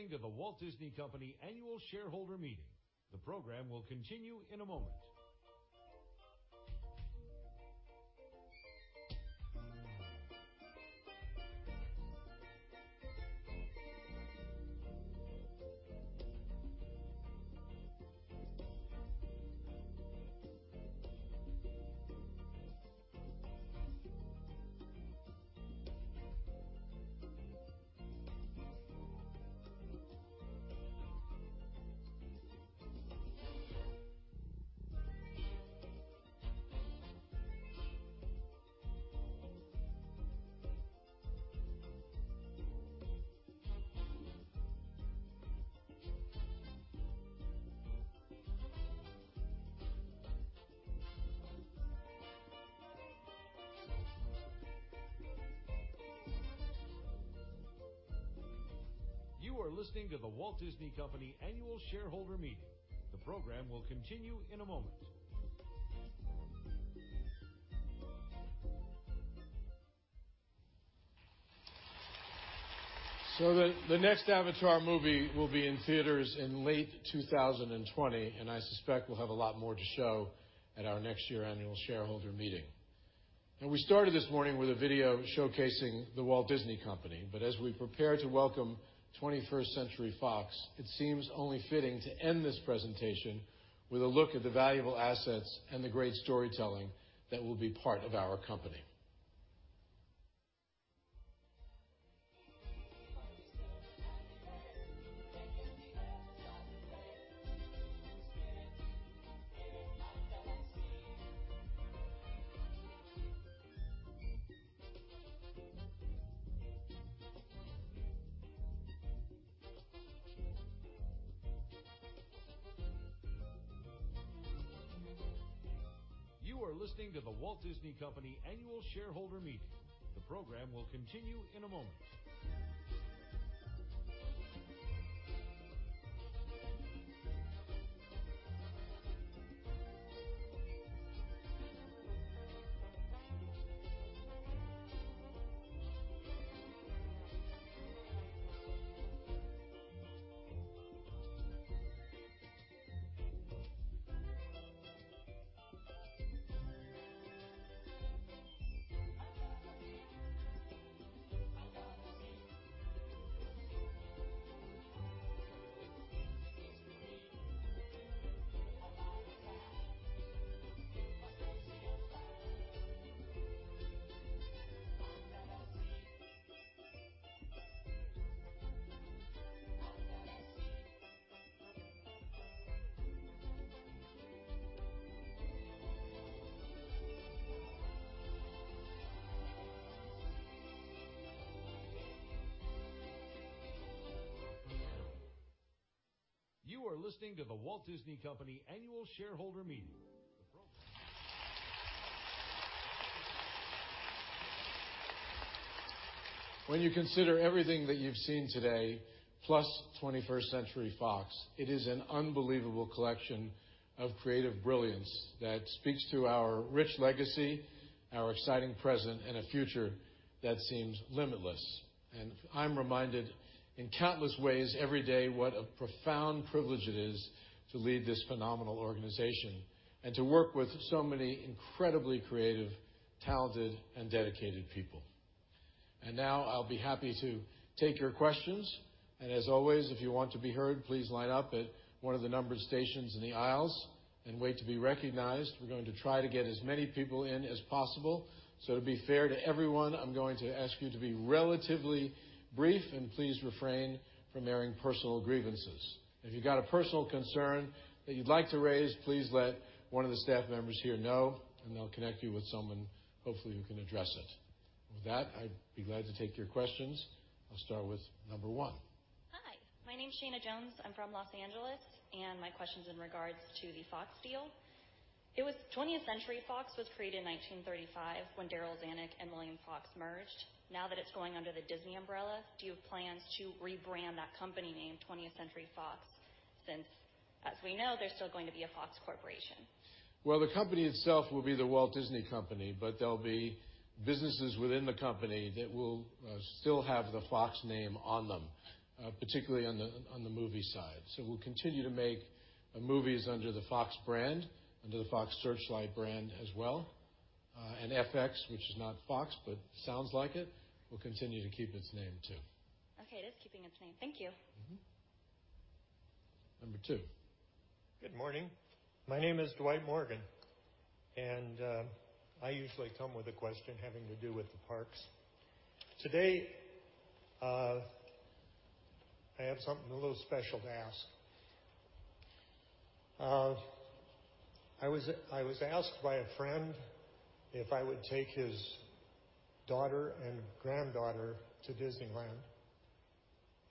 You are listening to The Walt Disney Company Annual Shareholder Meeting. The program will continue in a moment. You are listening to The Walt Disney Company Annual Shareholder Meeting. The program will continue in a moment. The next Avatar movie will be in theaters in late 2020. I suspect we'll have a lot more to show at our next year annual shareholder meeting. We started this morning with a video showcasing The Walt Disney Company. As we prepare to welcome 21st Century Fox, it seems only fitting to end this presentation with a look at the valuable assets and the great storytelling that will be part of our company. You are listening to The Walt Disney Company Annual Shareholder Meeting. The program will continue in a moment. You are listening to The Walt Disney Company Annual Shareholder Meeting. When you consider everything that you've seen today, plus 21st Century Fox, it is an unbelievable collection of creative brilliance that speaks to our rich legacy, our exciting present, and a future that seems limitless. I'm reminded in countless ways every day what a profound privilege it is to lead this phenomenal organization, and to work with so many incredibly creative, talented, and dedicated people. Now I'll be happy to take your questions. As always, if you want to be heard, please line up at one of the numbered stations in the aisles and wait to be recognized. We're going to try to get as many people in as possible. To be fair to everyone, I'm going to ask you to be relatively brief, and please refrain from airing personal grievances. If you've got a personal concern that you'd like to raise, please let one of the staff members here know, and they'll connect you with someone, hopefully, who can address it. With that, I'd be glad to take your questions. I'll start with number one. Hi. My name's Shana Jones. I'm from Los Angeles. My question's in regards to the Fox deal. 20th Century Fox was created in 1935 when Darryl Zanuck and William Fox merged. Now that it's going under the Disney umbrella, do you have plans to rebrand that company name, 20th Century Fox, since, as we know, they're still going to be a Fox Corporation? Well, the company itself will be The Walt Disney Company, but there'll be businesses within the company that will still have the Fox name on them, particularly on the movie side. We'll continue to make movies under the Fox brand, under the Fox Searchlight brand as well. FX, which is not Fox, but sounds like it, will continue to keep its name, too. Okay. It is keeping its name. Thank you. Number 2. Good morning. My name is Dwight Morgan. I usually come with a question having to do with the parks. Today, I have something a little special to ask. I was asked by a friend if I would take his daughter and granddaughter to Disneyland.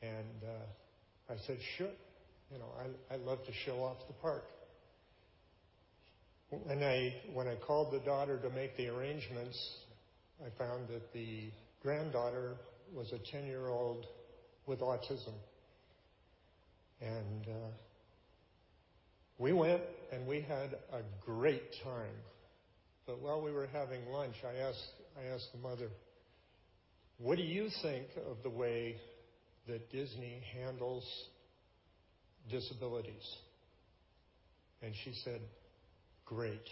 I said, "Sure. I'd love to show off the park." When I called the daughter to make the arrangements, I found that the granddaughter was a 10-year-old with autism. We went and we had a great time. While we were having lunch, I asked the mother, "What do you think of the way that Disney handles disabilities?" She said, "Great.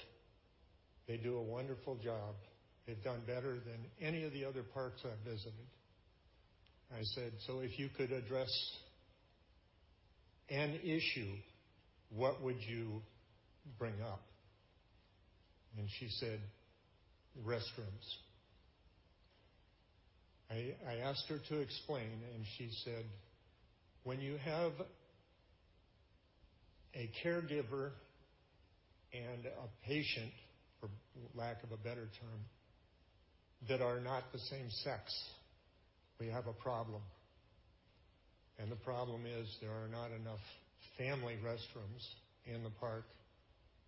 They do a wonderful job. They've done better than any of the other parks I've visited." I said, "If you could address an issue, what would you bring up?" She said, "Restrooms." I asked her to explain, and she said, "When you have a caregiver and a patient, for lack of a better term, that are not the same sex, we have a problem. The problem is there are not enough family restrooms in the park,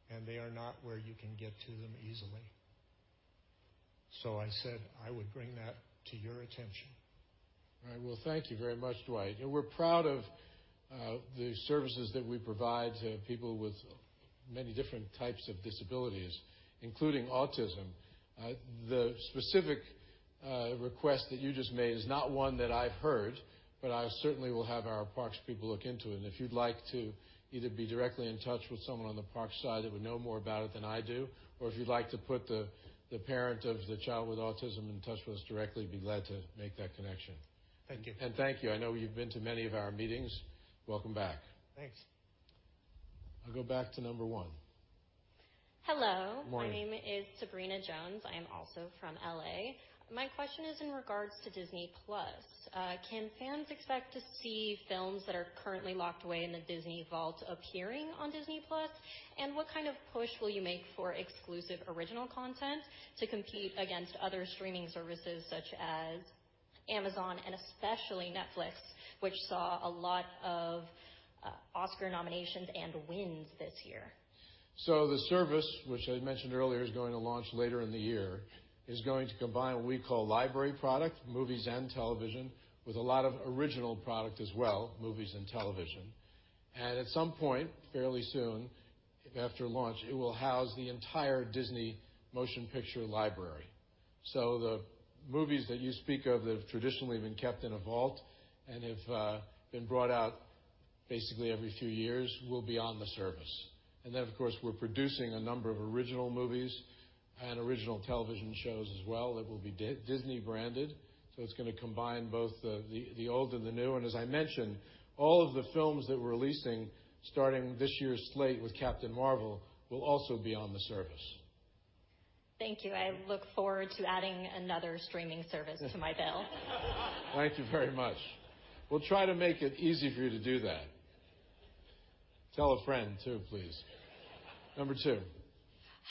and they are not where you can get to them easily." I said I would bring that to your attention. All right. Well, thank you very much, Dwight. We're proud of the services that we provide to people with many different types of disabilities, including autism. The request that you just made is not one that I've heard, but I certainly will have our parks people look into it. If you'd like to either be directly in touch with someone on the parks side that would know more about it than I do, or if you'd like to put the parent of the child with autism in touch with us directly, I'd be glad to make that connection. Thank you. Thank you. I know you've been to many of our meetings. Welcome back. Thanks. I'll go back to number 1. Hello. Good morning. My name is Sabrina Jones. I am also from L.A. My question is in regards to Disney+. Can fans expect to see films that are currently locked away in the Disney Vault appearing on Disney+, and what kind of push will you make for exclusive original content to compete against other streaming services such as Amazon and especially Netflix, which saw a lot of Oscar nominations and wins this year? The service, which I mentioned earlier, is going to launch later in the year. It is going to combine what we call library product, movies and television, with a lot of original product as well, movies and television. At some point, fairly soon after launch, it will house the entire Disney motion picture library. The movies that you speak of that have traditionally been kept in a vault and have been brought out basically every few years will be on the service. Then, of course, we're producing a number of original movies and original television shows as well that will be Disney branded. It's going to combine both the old and the new. As I mentioned, all of the films that we're releasing, starting this year's slate with Captain Marvel, will also be on the service. Thank you. I look forward to adding another streaming service to my bill. Thank you very much. We'll try to make it easy for you to do that. Tell a friend too, please. Number 2.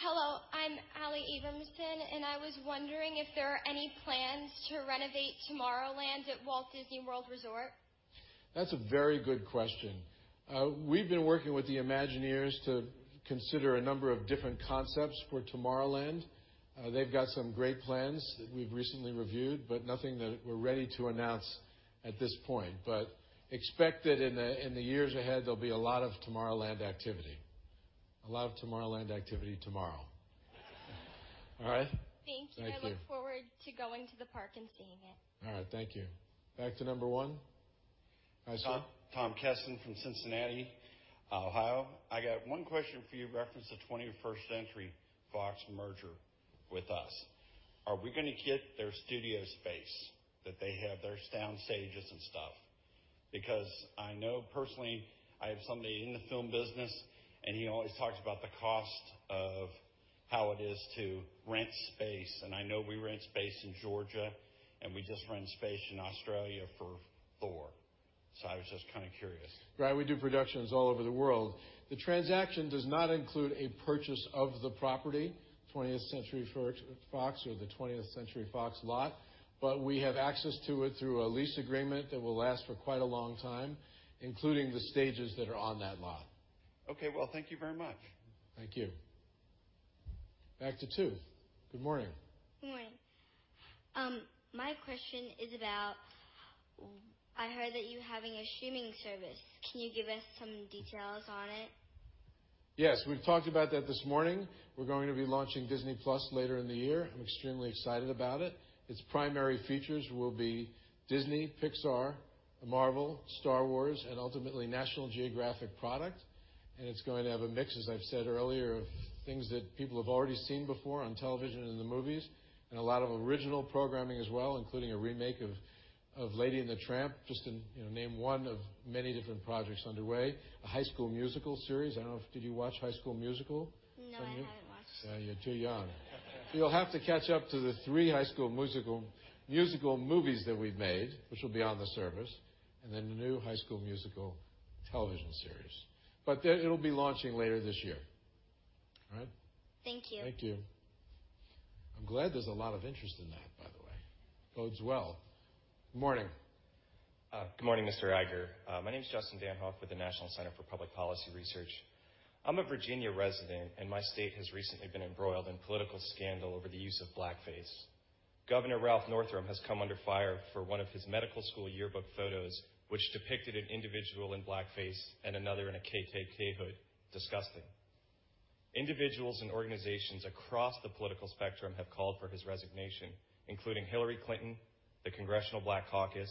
Hello, I'm Allie Aberson. I was wondering if there are any plans to renovate Tomorrowland at Walt Disney World Resort? That's a very good question. We've been working with the Imagineers to consider a number of different concepts for Tomorrowland. They've got some great plans that we've recently reviewed. Nothing that we're ready to announce at this point. Expect that in the years ahead, there'll be a lot of Tomorrowland activity. A lot of Tomorrowland activity tomorrow. All right? Thank you. Thank you. I look forward to going to the park and seeing it. All right. Thank you. Back to number 1. Hi, sir. Tom Kessen from Cincinnati, Ohio. I got one question for you reference the 21st Century Fox merger with us. Are we going to get their studio space that they have, their sound stages and stuff? Because I know personally, I have somebody in the film business, and he always talks about the cost of how it is to rent space, and I know we rent space in Georgia, and we just rent space in Australia for Thor. I was just curious. Right. We do productions all over the world. The transaction does not include a purchase of the property, 20th Century Fox or the 20th Century Fox lot, but we have access to it through a lease agreement that will last for quite a long time, including the stages that are on that lot. Okay. Well, thank you very much. Thank you. Back to 2. Good morning. Good morning. My question is about, I heard that you having a streaming service. Can you give us some details on it? Yes. We've talked about that this morning. We're going to be launching Disney+ later in the year. I'm extremely excited about it. Its primary features will be Disney, Pixar, Marvel, Star Wars, and ultimately National Geographic product, and it's going to have a mix, as I've said earlier, of things that people have already seen before on television and in the movies, and a lot of original programming as well, including a remake of "Lady and the Tramp," just to name one of many different projects underway. A High School Musical series. I don't know. Did you watch High School Musical? No, I haven't watched. You're too young. You'll have to catch up to the three High School Musical movies that we've made, which will be on the service, and then the new High School Musical television series. It'll be launching later this year. All right? Thank you. Thank you. I'm glad there's a lot of interest in that, by the way. Bodes well. Good morning. Good morning, Mr. Iger. My name is Justin Danhof with the National Center for Public Policy Research. I'm a Virginia resident. My state has recently been embroiled in political scandal over the use of blackface. Governor Ralph Northam has come under fire for one of his medical school yearbook photos, which depicted an individual in blackface and another in a KKK hood. Disgusting. Individuals and organizations across the political spectrum have called for his resignation, including Hillary Clinton, the Congressional Black Caucus,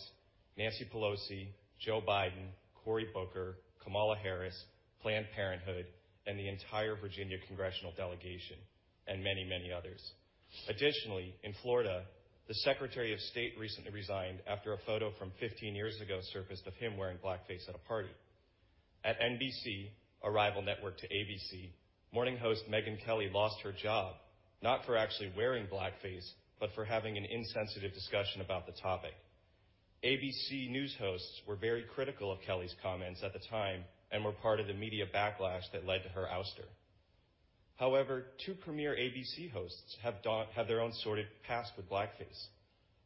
Nancy Pelosi, Joe Biden, Cory Booker, Kamala Harris, Planned Parenthood, and the entire Virginia congressional delegation, and many others. Additionally, in Florida, the Secretary of State recently resigned after a photo from 15 years ago surfaced of him wearing blackface at a party. At NBC, a rival network to ABC, morning host Megyn Kelly lost her job, not for actually wearing blackface, but for having an insensitive discussion about the topic. ABC News hosts were very critical of Kelly's comments at the time and were part of the media backlash that led to her ouster. Two premier ABC hosts have their own sordid past with blackface.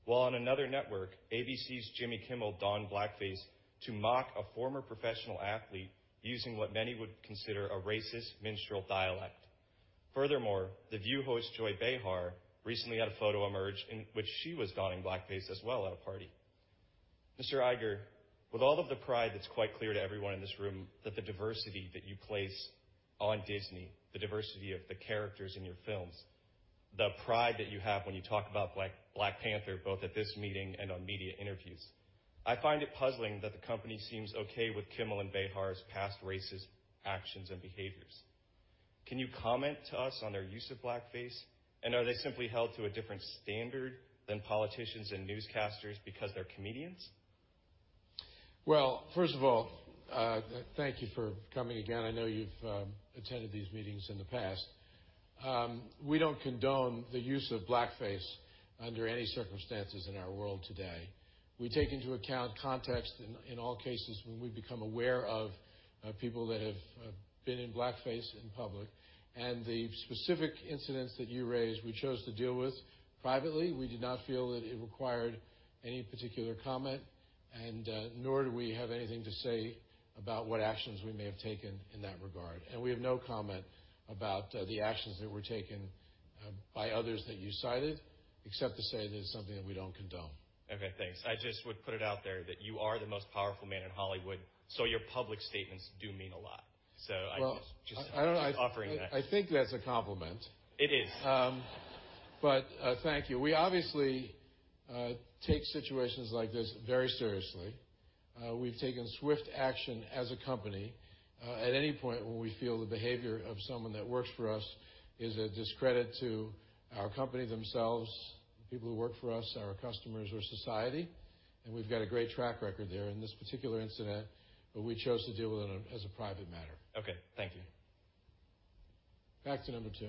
While on another network, ABC's Jimmy Kimmel donned blackface to mock a former professional athlete using what many would consider a racist minstrel dialect. The View host Joy Behar recently had a photo emerge in which she was donned in blackface as well at a party. Mr. Iger, with all of the pride that's quite clear to everyone in this room that the diversity that you place on Disney, the diversity of the characters in your films, the pride that you have when you talk about Black Panther, both at this meeting and on media interviews, I find it puzzling that the company seems okay with Kimmel and Behar's past racist actions and behaviors. Can you comment to us on their use of blackface? Are they simply held to a different standard than politicians and newscasters because they're comedians? First of all, thank you for coming again. I know you've attended these meetings in the past. We don't condone the use of blackface under any circumstances in our world today. We take into account context in all cases when we become aware of people that have been in blackface in public, and the specific incidents that you raised, we chose to deal with privately. We did not feel that it required any particular comment, and nor do we have anything to say about what actions we may have taken in that regard. We have no comment about the actions that were taken by others that you cited, except to say that it is something that we don't condone. Okay, thanks. I just would put it out there that you are the most powerful man in Hollywood, so your public statements do mean a lot. I don't know. I'm just offering that. I think that's a compliment. It is. Thank you. We obviously take situations like this very seriously. We've taken swift action as a company at any point when we feel the behavior of someone that works for us is a discredit to our company, themselves, people who work for us, our customers, or society. We've got a great track record there in this particular incident, but we chose to deal with it as a private matter. Okay, thank you. Back to number 2.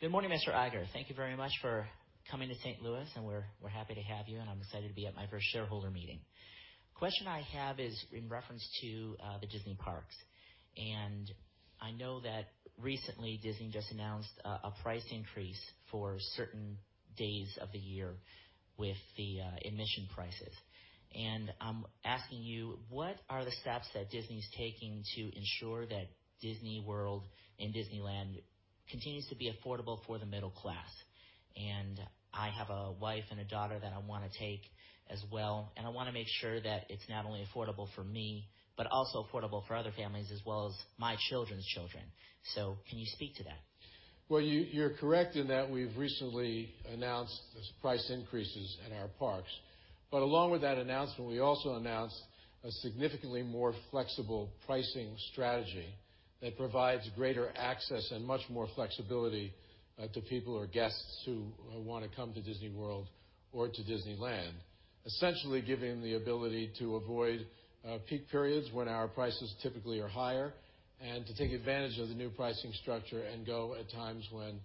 Good morning, Mr. Iger. Thank you very much for coming to St. Louis. We're happy to have you. I'm excited to be at my first shareholder meeting. Question I have is in reference to the Disney parks. I know that recently Disney just announced a price increase for certain days of the year with the admission prices. I'm asking you, what are the steps that Disney's taking to ensure that Walt Disney World and Disneyland continues to be affordable for the middle class? I have a wife and a daughter that I want to take as well. I want to make sure that it's not only affordable for me but also affordable for other families as well as my children's children. Can you speak to that? Well, you're correct in that we've recently announced those price increases in our parks. Along with that announcement, we also announced a significantly more flexible pricing strategy that provides greater access and much more flexibility to people or guests who want to come to Walt Disney World or to Disneyland. Essentially giving the ability to avoid peak periods when our prices typically are higher and to take advantage of the new pricing structure and go at times when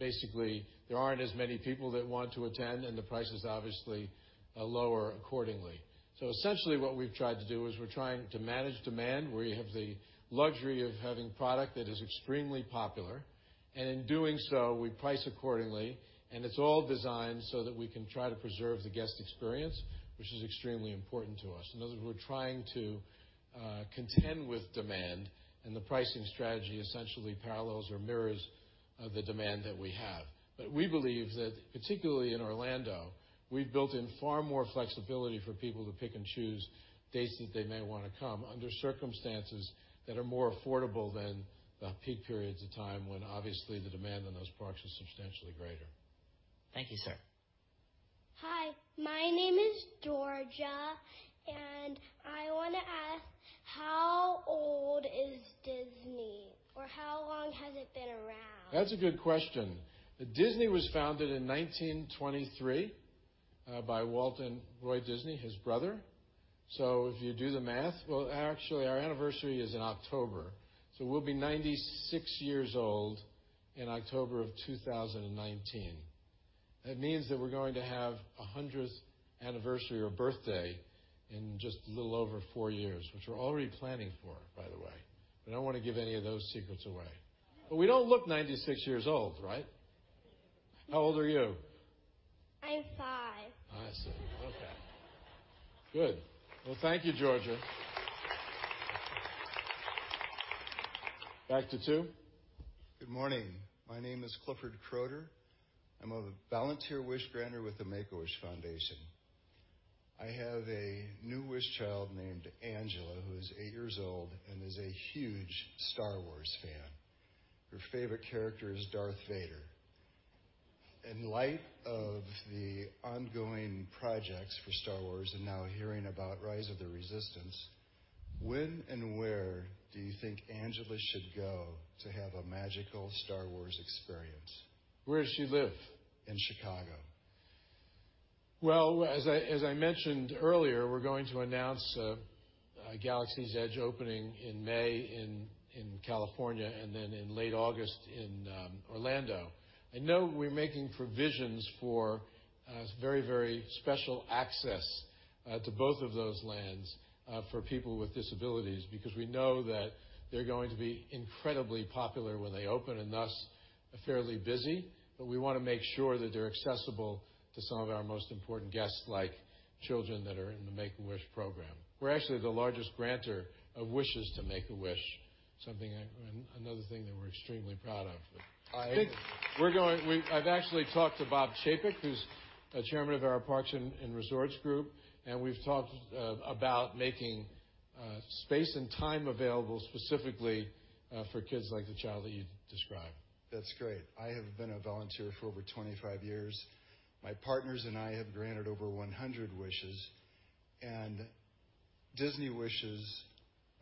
basically there aren't as many people that want to attend, the price is obviously lower accordingly. Essentially what we've tried to do is we're trying to manage demand. We have the luxury of having product that is extremely popular. In doing so, we price accordingly, it's all designed so that we can try to preserve the guest experience, which is extremely important to us. In other words, we're trying to contend with demand, and the pricing strategy essentially parallels or mirrors the demand that we have. We believe that particularly in Orlando, we've built in far more flexibility for people to pick and choose dates that they may want to come under circumstances that are more affordable than peak periods of time when obviously the demand on those parks is substantially greater. Thank you, sir. Hi, my name is Georgia, and I want to ask how old is Disney or how long has it been around? That's a good question. Disney was founded in 1923 by Walt and Roy Disney, his brother. If you do the math Well, actually, our anniversary is in October, so we'll be 96 years old in October of 2019. That means that we're going to have 100th anniversary or birthday in just a little over four years, which we're already planning for, by the way. We don't want to give any of those secrets away. We don't look 96 years old, right? How old are you? I'm five. I see. Okay. Good. Well, thank you, Georgia. Back to two. Good morning. My name is Clifford Croder. I'm a volunteer wish granter with the Make-A-Wish Foundation. I have a new wish child named Angela, who is eight years old and is a huge Star Wars fan. Her favorite character is Darth Vader. In light of the ongoing projects for Star Wars and now hearing about Rise of the Resistance, when and where do you think Angela should go to have a magical Star Wars experience? Where does she live? In Chicago. Well, as I mentioned earlier, we're going to announce Galaxy's Edge opening in May in California and then in late August in Orlando. I know we're making provisions for very, very special access to both of those lands for people with disabilities because we know that they're going to be incredibly popular when they open and thus fairly busy. But we want to make sure that they're accessible to some of our most important guests, like children that are in the Make-A-Wish program. We're actually the largest granter of wishes to Make-A-Wish. Another thing that we're extremely proud of. I think I've actually talked to Bob Chapek, who's chairman of our Parks and Resorts group, and we've talked about making space and time available specifically for kids like the child that you described. That's great. I have been a volunteer for over 25 years. My partners and I have granted over 100 wishes, and Disney wishes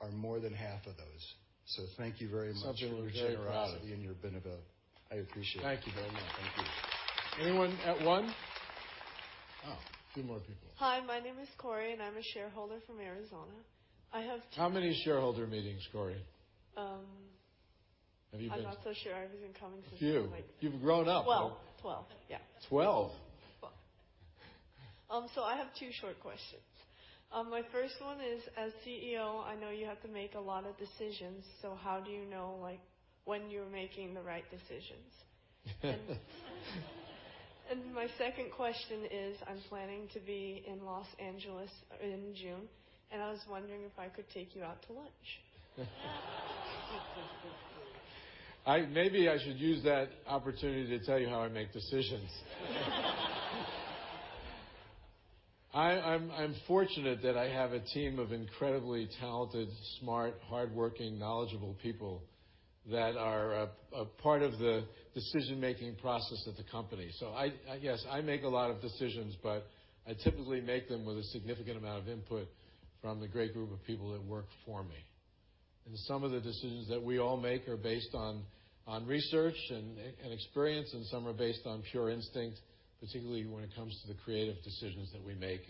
are more than half of those. Thank you very much. Something we're very proud of. For your generosity and your benevolence. I appreciate it. Thank you very much. Thank you. Anyone at one? Oh, a few more people. Hi, my name is Corey, and I'm a shareholder from Arizona. I have two- How many shareholder meetings, Corey? Have you been. I'm not so sure. I haven't been coming since like. A few. You've grown up. 12. Yeah. Twelve? Twelve. I have two short questions. My first one is, as CEO, I know you have to make a lot of decisions. How do you know when you're making the right decisions? My second question is, I'm planning to be in L.A. in June, and I was wondering if I could take you out to lunch. Maybe I should use that opportunity to tell you how I make decisions. I'm fortunate that I have a team of incredibly talented, smart, hardworking, knowledgeable people that are a part of the decision-making process at the company. Yes, I make a lot of decisions, but I typically make them with a significant amount of input from the great group of people that work for me. Some of the decisions that we all make are based on research and experience, and some are based on pure instinct, particularly when it comes to the creative decisions that we make.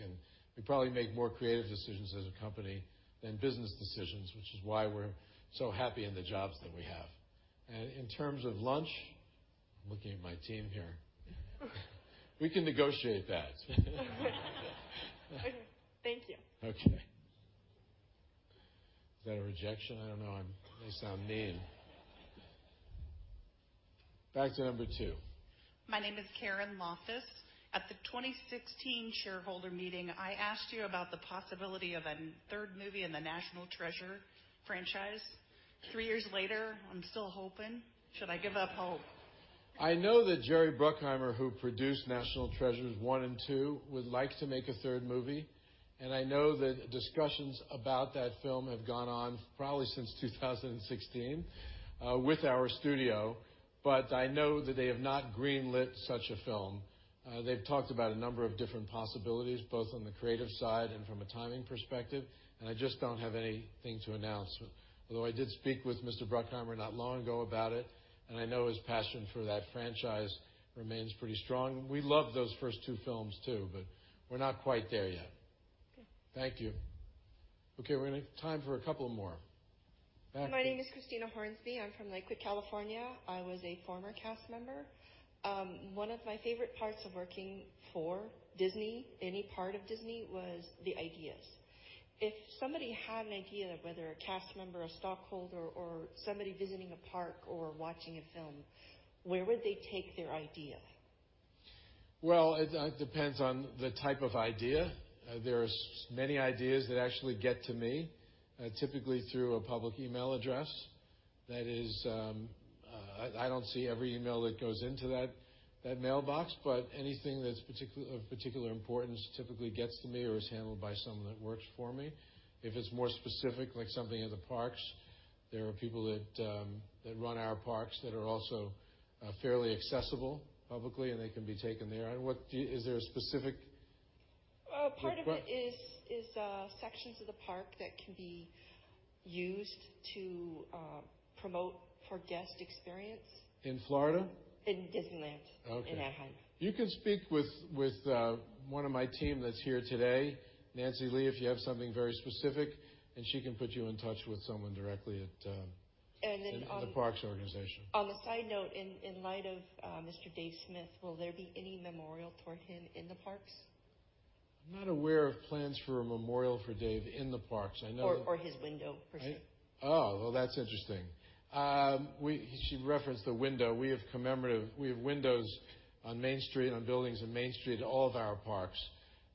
We probably make more creative decisions as a company than business decisions, which is why we're so happy in the jobs that we have. In terms of lunch, I'm looking at my team here. We can negotiate that. Okay. Thank you. Okay. Is that a rejection? I don't know. I may sound mean. Back to number two. My name is Karen Loftus. At the 2016 shareholder meeting, I asked you about the possibility of a third movie in the National Treasure franchise. Three years later, I'm still hoping. Should I give up hope? I know that Jerry Bruckheimer, who produced National Treasures one and two, would like to make a third movie. I know that discussions about that film have gone on probably since 2016 with our studio. I know that they have not green-lit such a film. They've talked about a number of different possibilities, both on the creative side and from a timing perspective. I just don't have anything to announce. Although I did speak with Mr. Bruckheimer not long ago about it. I know his passion for that franchise remains pretty strong. We love those first two films, too. We're not quite there yet. Okay. Thank you. Time for a couple more. My name is Christina Hornsby. I'm from Lakewood, California. I was a former cast member. One of my favorite parts of working for Disney, any part of Disney, was the ideas. If somebody had an idea, whether a cast member, a stockholder, or somebody visiting a park or watching a film, where would they take their idea? Well, it depends on the type of idea. There's many ideas that actually get to me, typically through a public email address. That is, I don't see every email that goes into that mailbox, but anything that's of particular importance typically gets to me or is handled by someone that works for me. If it's more specific, like something in the parks, there are people that run our parks that are also fairly accessible publicly, and they can be taken there. Is there a specific request? Part of it is sections of the park that can be used to promote for guest experience. In Florida? In Disneyland. Okay. In Anaheim. You can speak with one of my team that's here today, Nancy Lee, if you have something very specific, and she can put you in touch with someone directly at- on- the parks organization. On a side note, in light of Mr. Dave Smith, will there be any memorial for him in the parks? I'm not aware of plans for a memorial for Dave in the parks. His window, per se. Well, that's interesting. She referenced the window. We have commemorative. We have windows on Main Street, on buildings on Main Street at all of our parks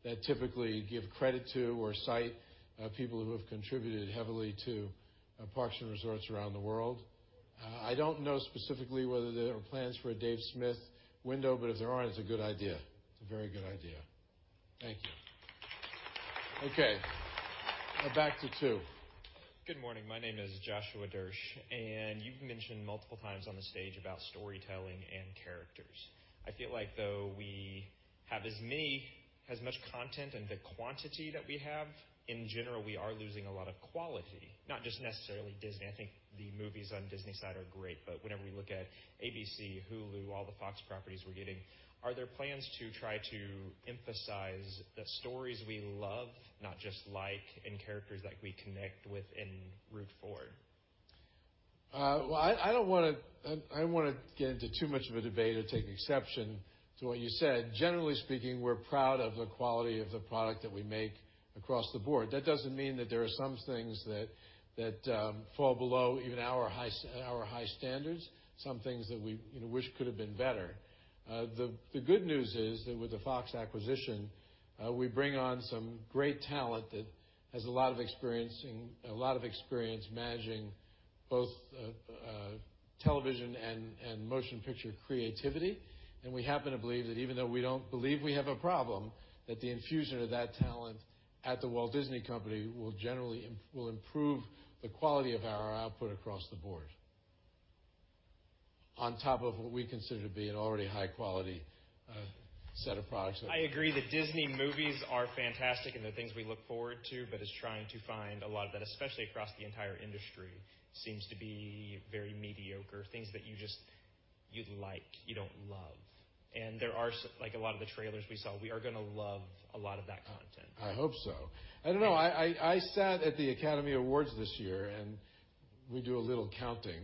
that typically give credit to or cite people who have contributed heavily to parks and resorts around the world. I don't know specifically whether there are plans for a Dave Smith window, but if there aren't, it's a good idea. It's a very good idea. Thank you. Okay. Back to two. Good morning. My name is Joshua Dersh. You've mentioned multiple times on the stage about storytelling and characters. I feel like though we have as much content and the quantity that we have, in general, we are losing a lot of quality, not just necessarily Disney. I think the movies on Disney's side are great, whenever we look at ABC, Hulu, all the Fox properties we're getting. Are there plans to try to emphasize the stories we love, not just like, and characters that we connect with and root for? Well, I don't want to get into too much of a debate or take exception to what you said. Generally speaking, we're proud of the quality of the product that we make across the board. That doesn't mean that there are some things that fall below even our high standards, some things that we wish could have been better. The good news is that with the Fox acquisition, we bring on some great talent that has a lot of experience managing both television and motion picture creativity. We happen to believe that even though we don't believe we have a problem, that the infusion of that talent at The Walt Disney Company will improve the quality of our output across the board on top of what we consider to be an already high-quality set of products. I agree that Disney movies are fantastic and they're things we look forward to, it's trying to find a lot of that, especially across the entire industry seems to be very mediocre. Things that you like, you don't love. Like a lot of the trailers we saw, we are going to love a lot of that content. I hope so. I don't know. I sat at the Academy Awards this year, we do a little counting,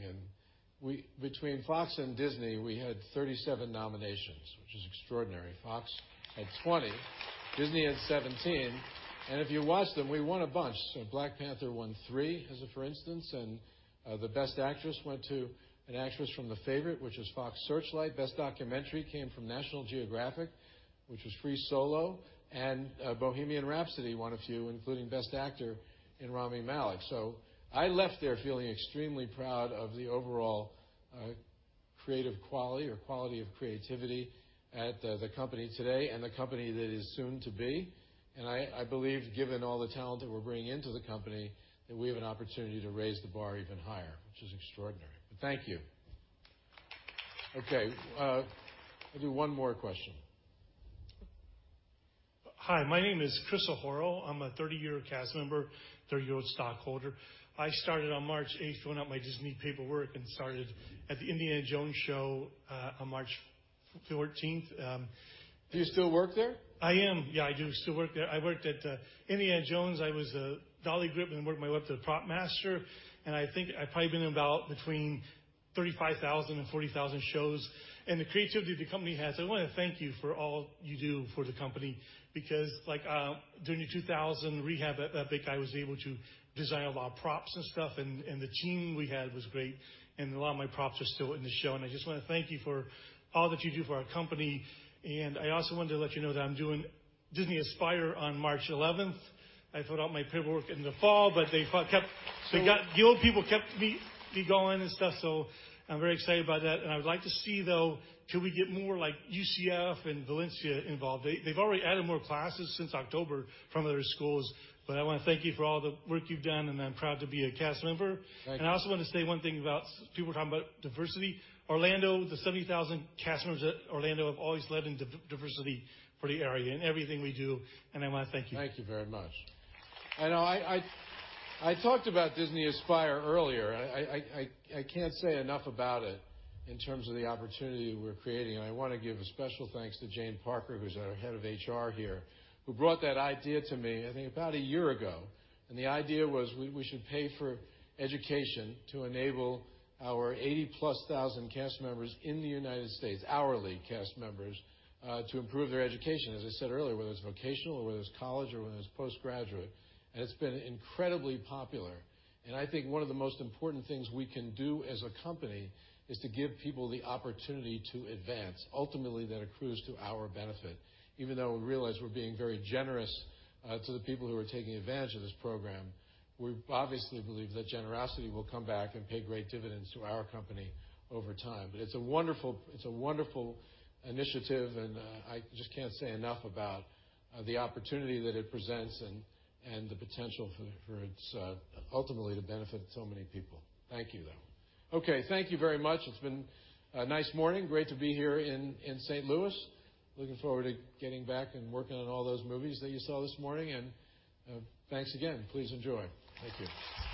between Fox and Disney, we had 37 nominations, which is extraordinary. Fox had 20, Disney had 17, if you watched them, we won a bunch. Black Panther won three, as a for instance, the Best Actress went to an actress from "The Favourite," which is Fox Searchlight. Best Documentary came from National Geographic, which was "Free Solo," "Bohemian Rhapsody" won a few, including Best Actor in Rami Malek. I left there feeling extremely proud of the overall creative quality or quality of creativity at the company today and the company that is soon to be. I believe given all the talent that we're bringing into the company, that we have an opportunity to raise the bar even higher, which is extraordinary. Thank you. Okay, I'll do one more question. Hi, my name is Chris O'Horro. I'm a 30-year cast member, 30-year stockholder. I started on March 8th, filling out my Disney paperwork, and started at the Indiana Jones Show on March 14th. Do you still work there? I am. Yeah, I do still work there. I worked at Indiana Jones. I was a dolly grip and worked my way up to the prop master, and I think I've probably been in about between 35,000 and 40,000 shows. The creativity the company has, I want to thank you for all you do for the company because during the 2000 rehab epic, I was able to design a lot of props and stuff, and the team we had was great, and a lot of my props are still in the show. I just want to thank you for all that you do for our company. I also wanted to let you know that I'm doing Disney Aspire on March 11th. I filled out my paperwork in the fall, The old people kept me going and stuff, so I'm very excited about that. I would like to see, though, could we get more like UCF and Valencia involved? They've already added more classes since October from other schools. I want to thank you for all the work you've done, and I'm proud to be a cast member. Thank you. I also want to say one thing about people talking about diversity. Orlando, the 70,000 cast members at Orlando have always led in diversity for the area in everything we do, and I want to thank you. Thank you very much. I know I talked about Disney Aspire earlier. I can't say enough about it in terms of the opportunity we're creating, and I want to give a special thanks to Jayne Parker, who's our head of HR here, who brought that idea to me, I think about a year ago. The idea was we should pay for education to enable our 80-plus thousand cast members in the United States, hourly cast members, to improve their education, as I said earlier, whether it's vocational or whether it's college or whether it's post-graduate. It's been incredibly popular. I think one of the most important things we can do as a company is to give people the opportunity to advance. Ultimately, that accrues to our benefit. Even though we realize we're being very generous to the people who are taking advantage of this program, we obviously believe that generosity will come back and pay great dividends to our company over time. It's a wonderful initiative and I just can't say enough about the opportunity that it presents and the potential for it ultimately to benefit so many people. Thank you, though. Okay. Thank you very much. It's been a nice morning. Great to be here in St. Louis. Looking forward to getting back and working on all those movies that you saw this morning, thanks again. Please enjoy. Thank you.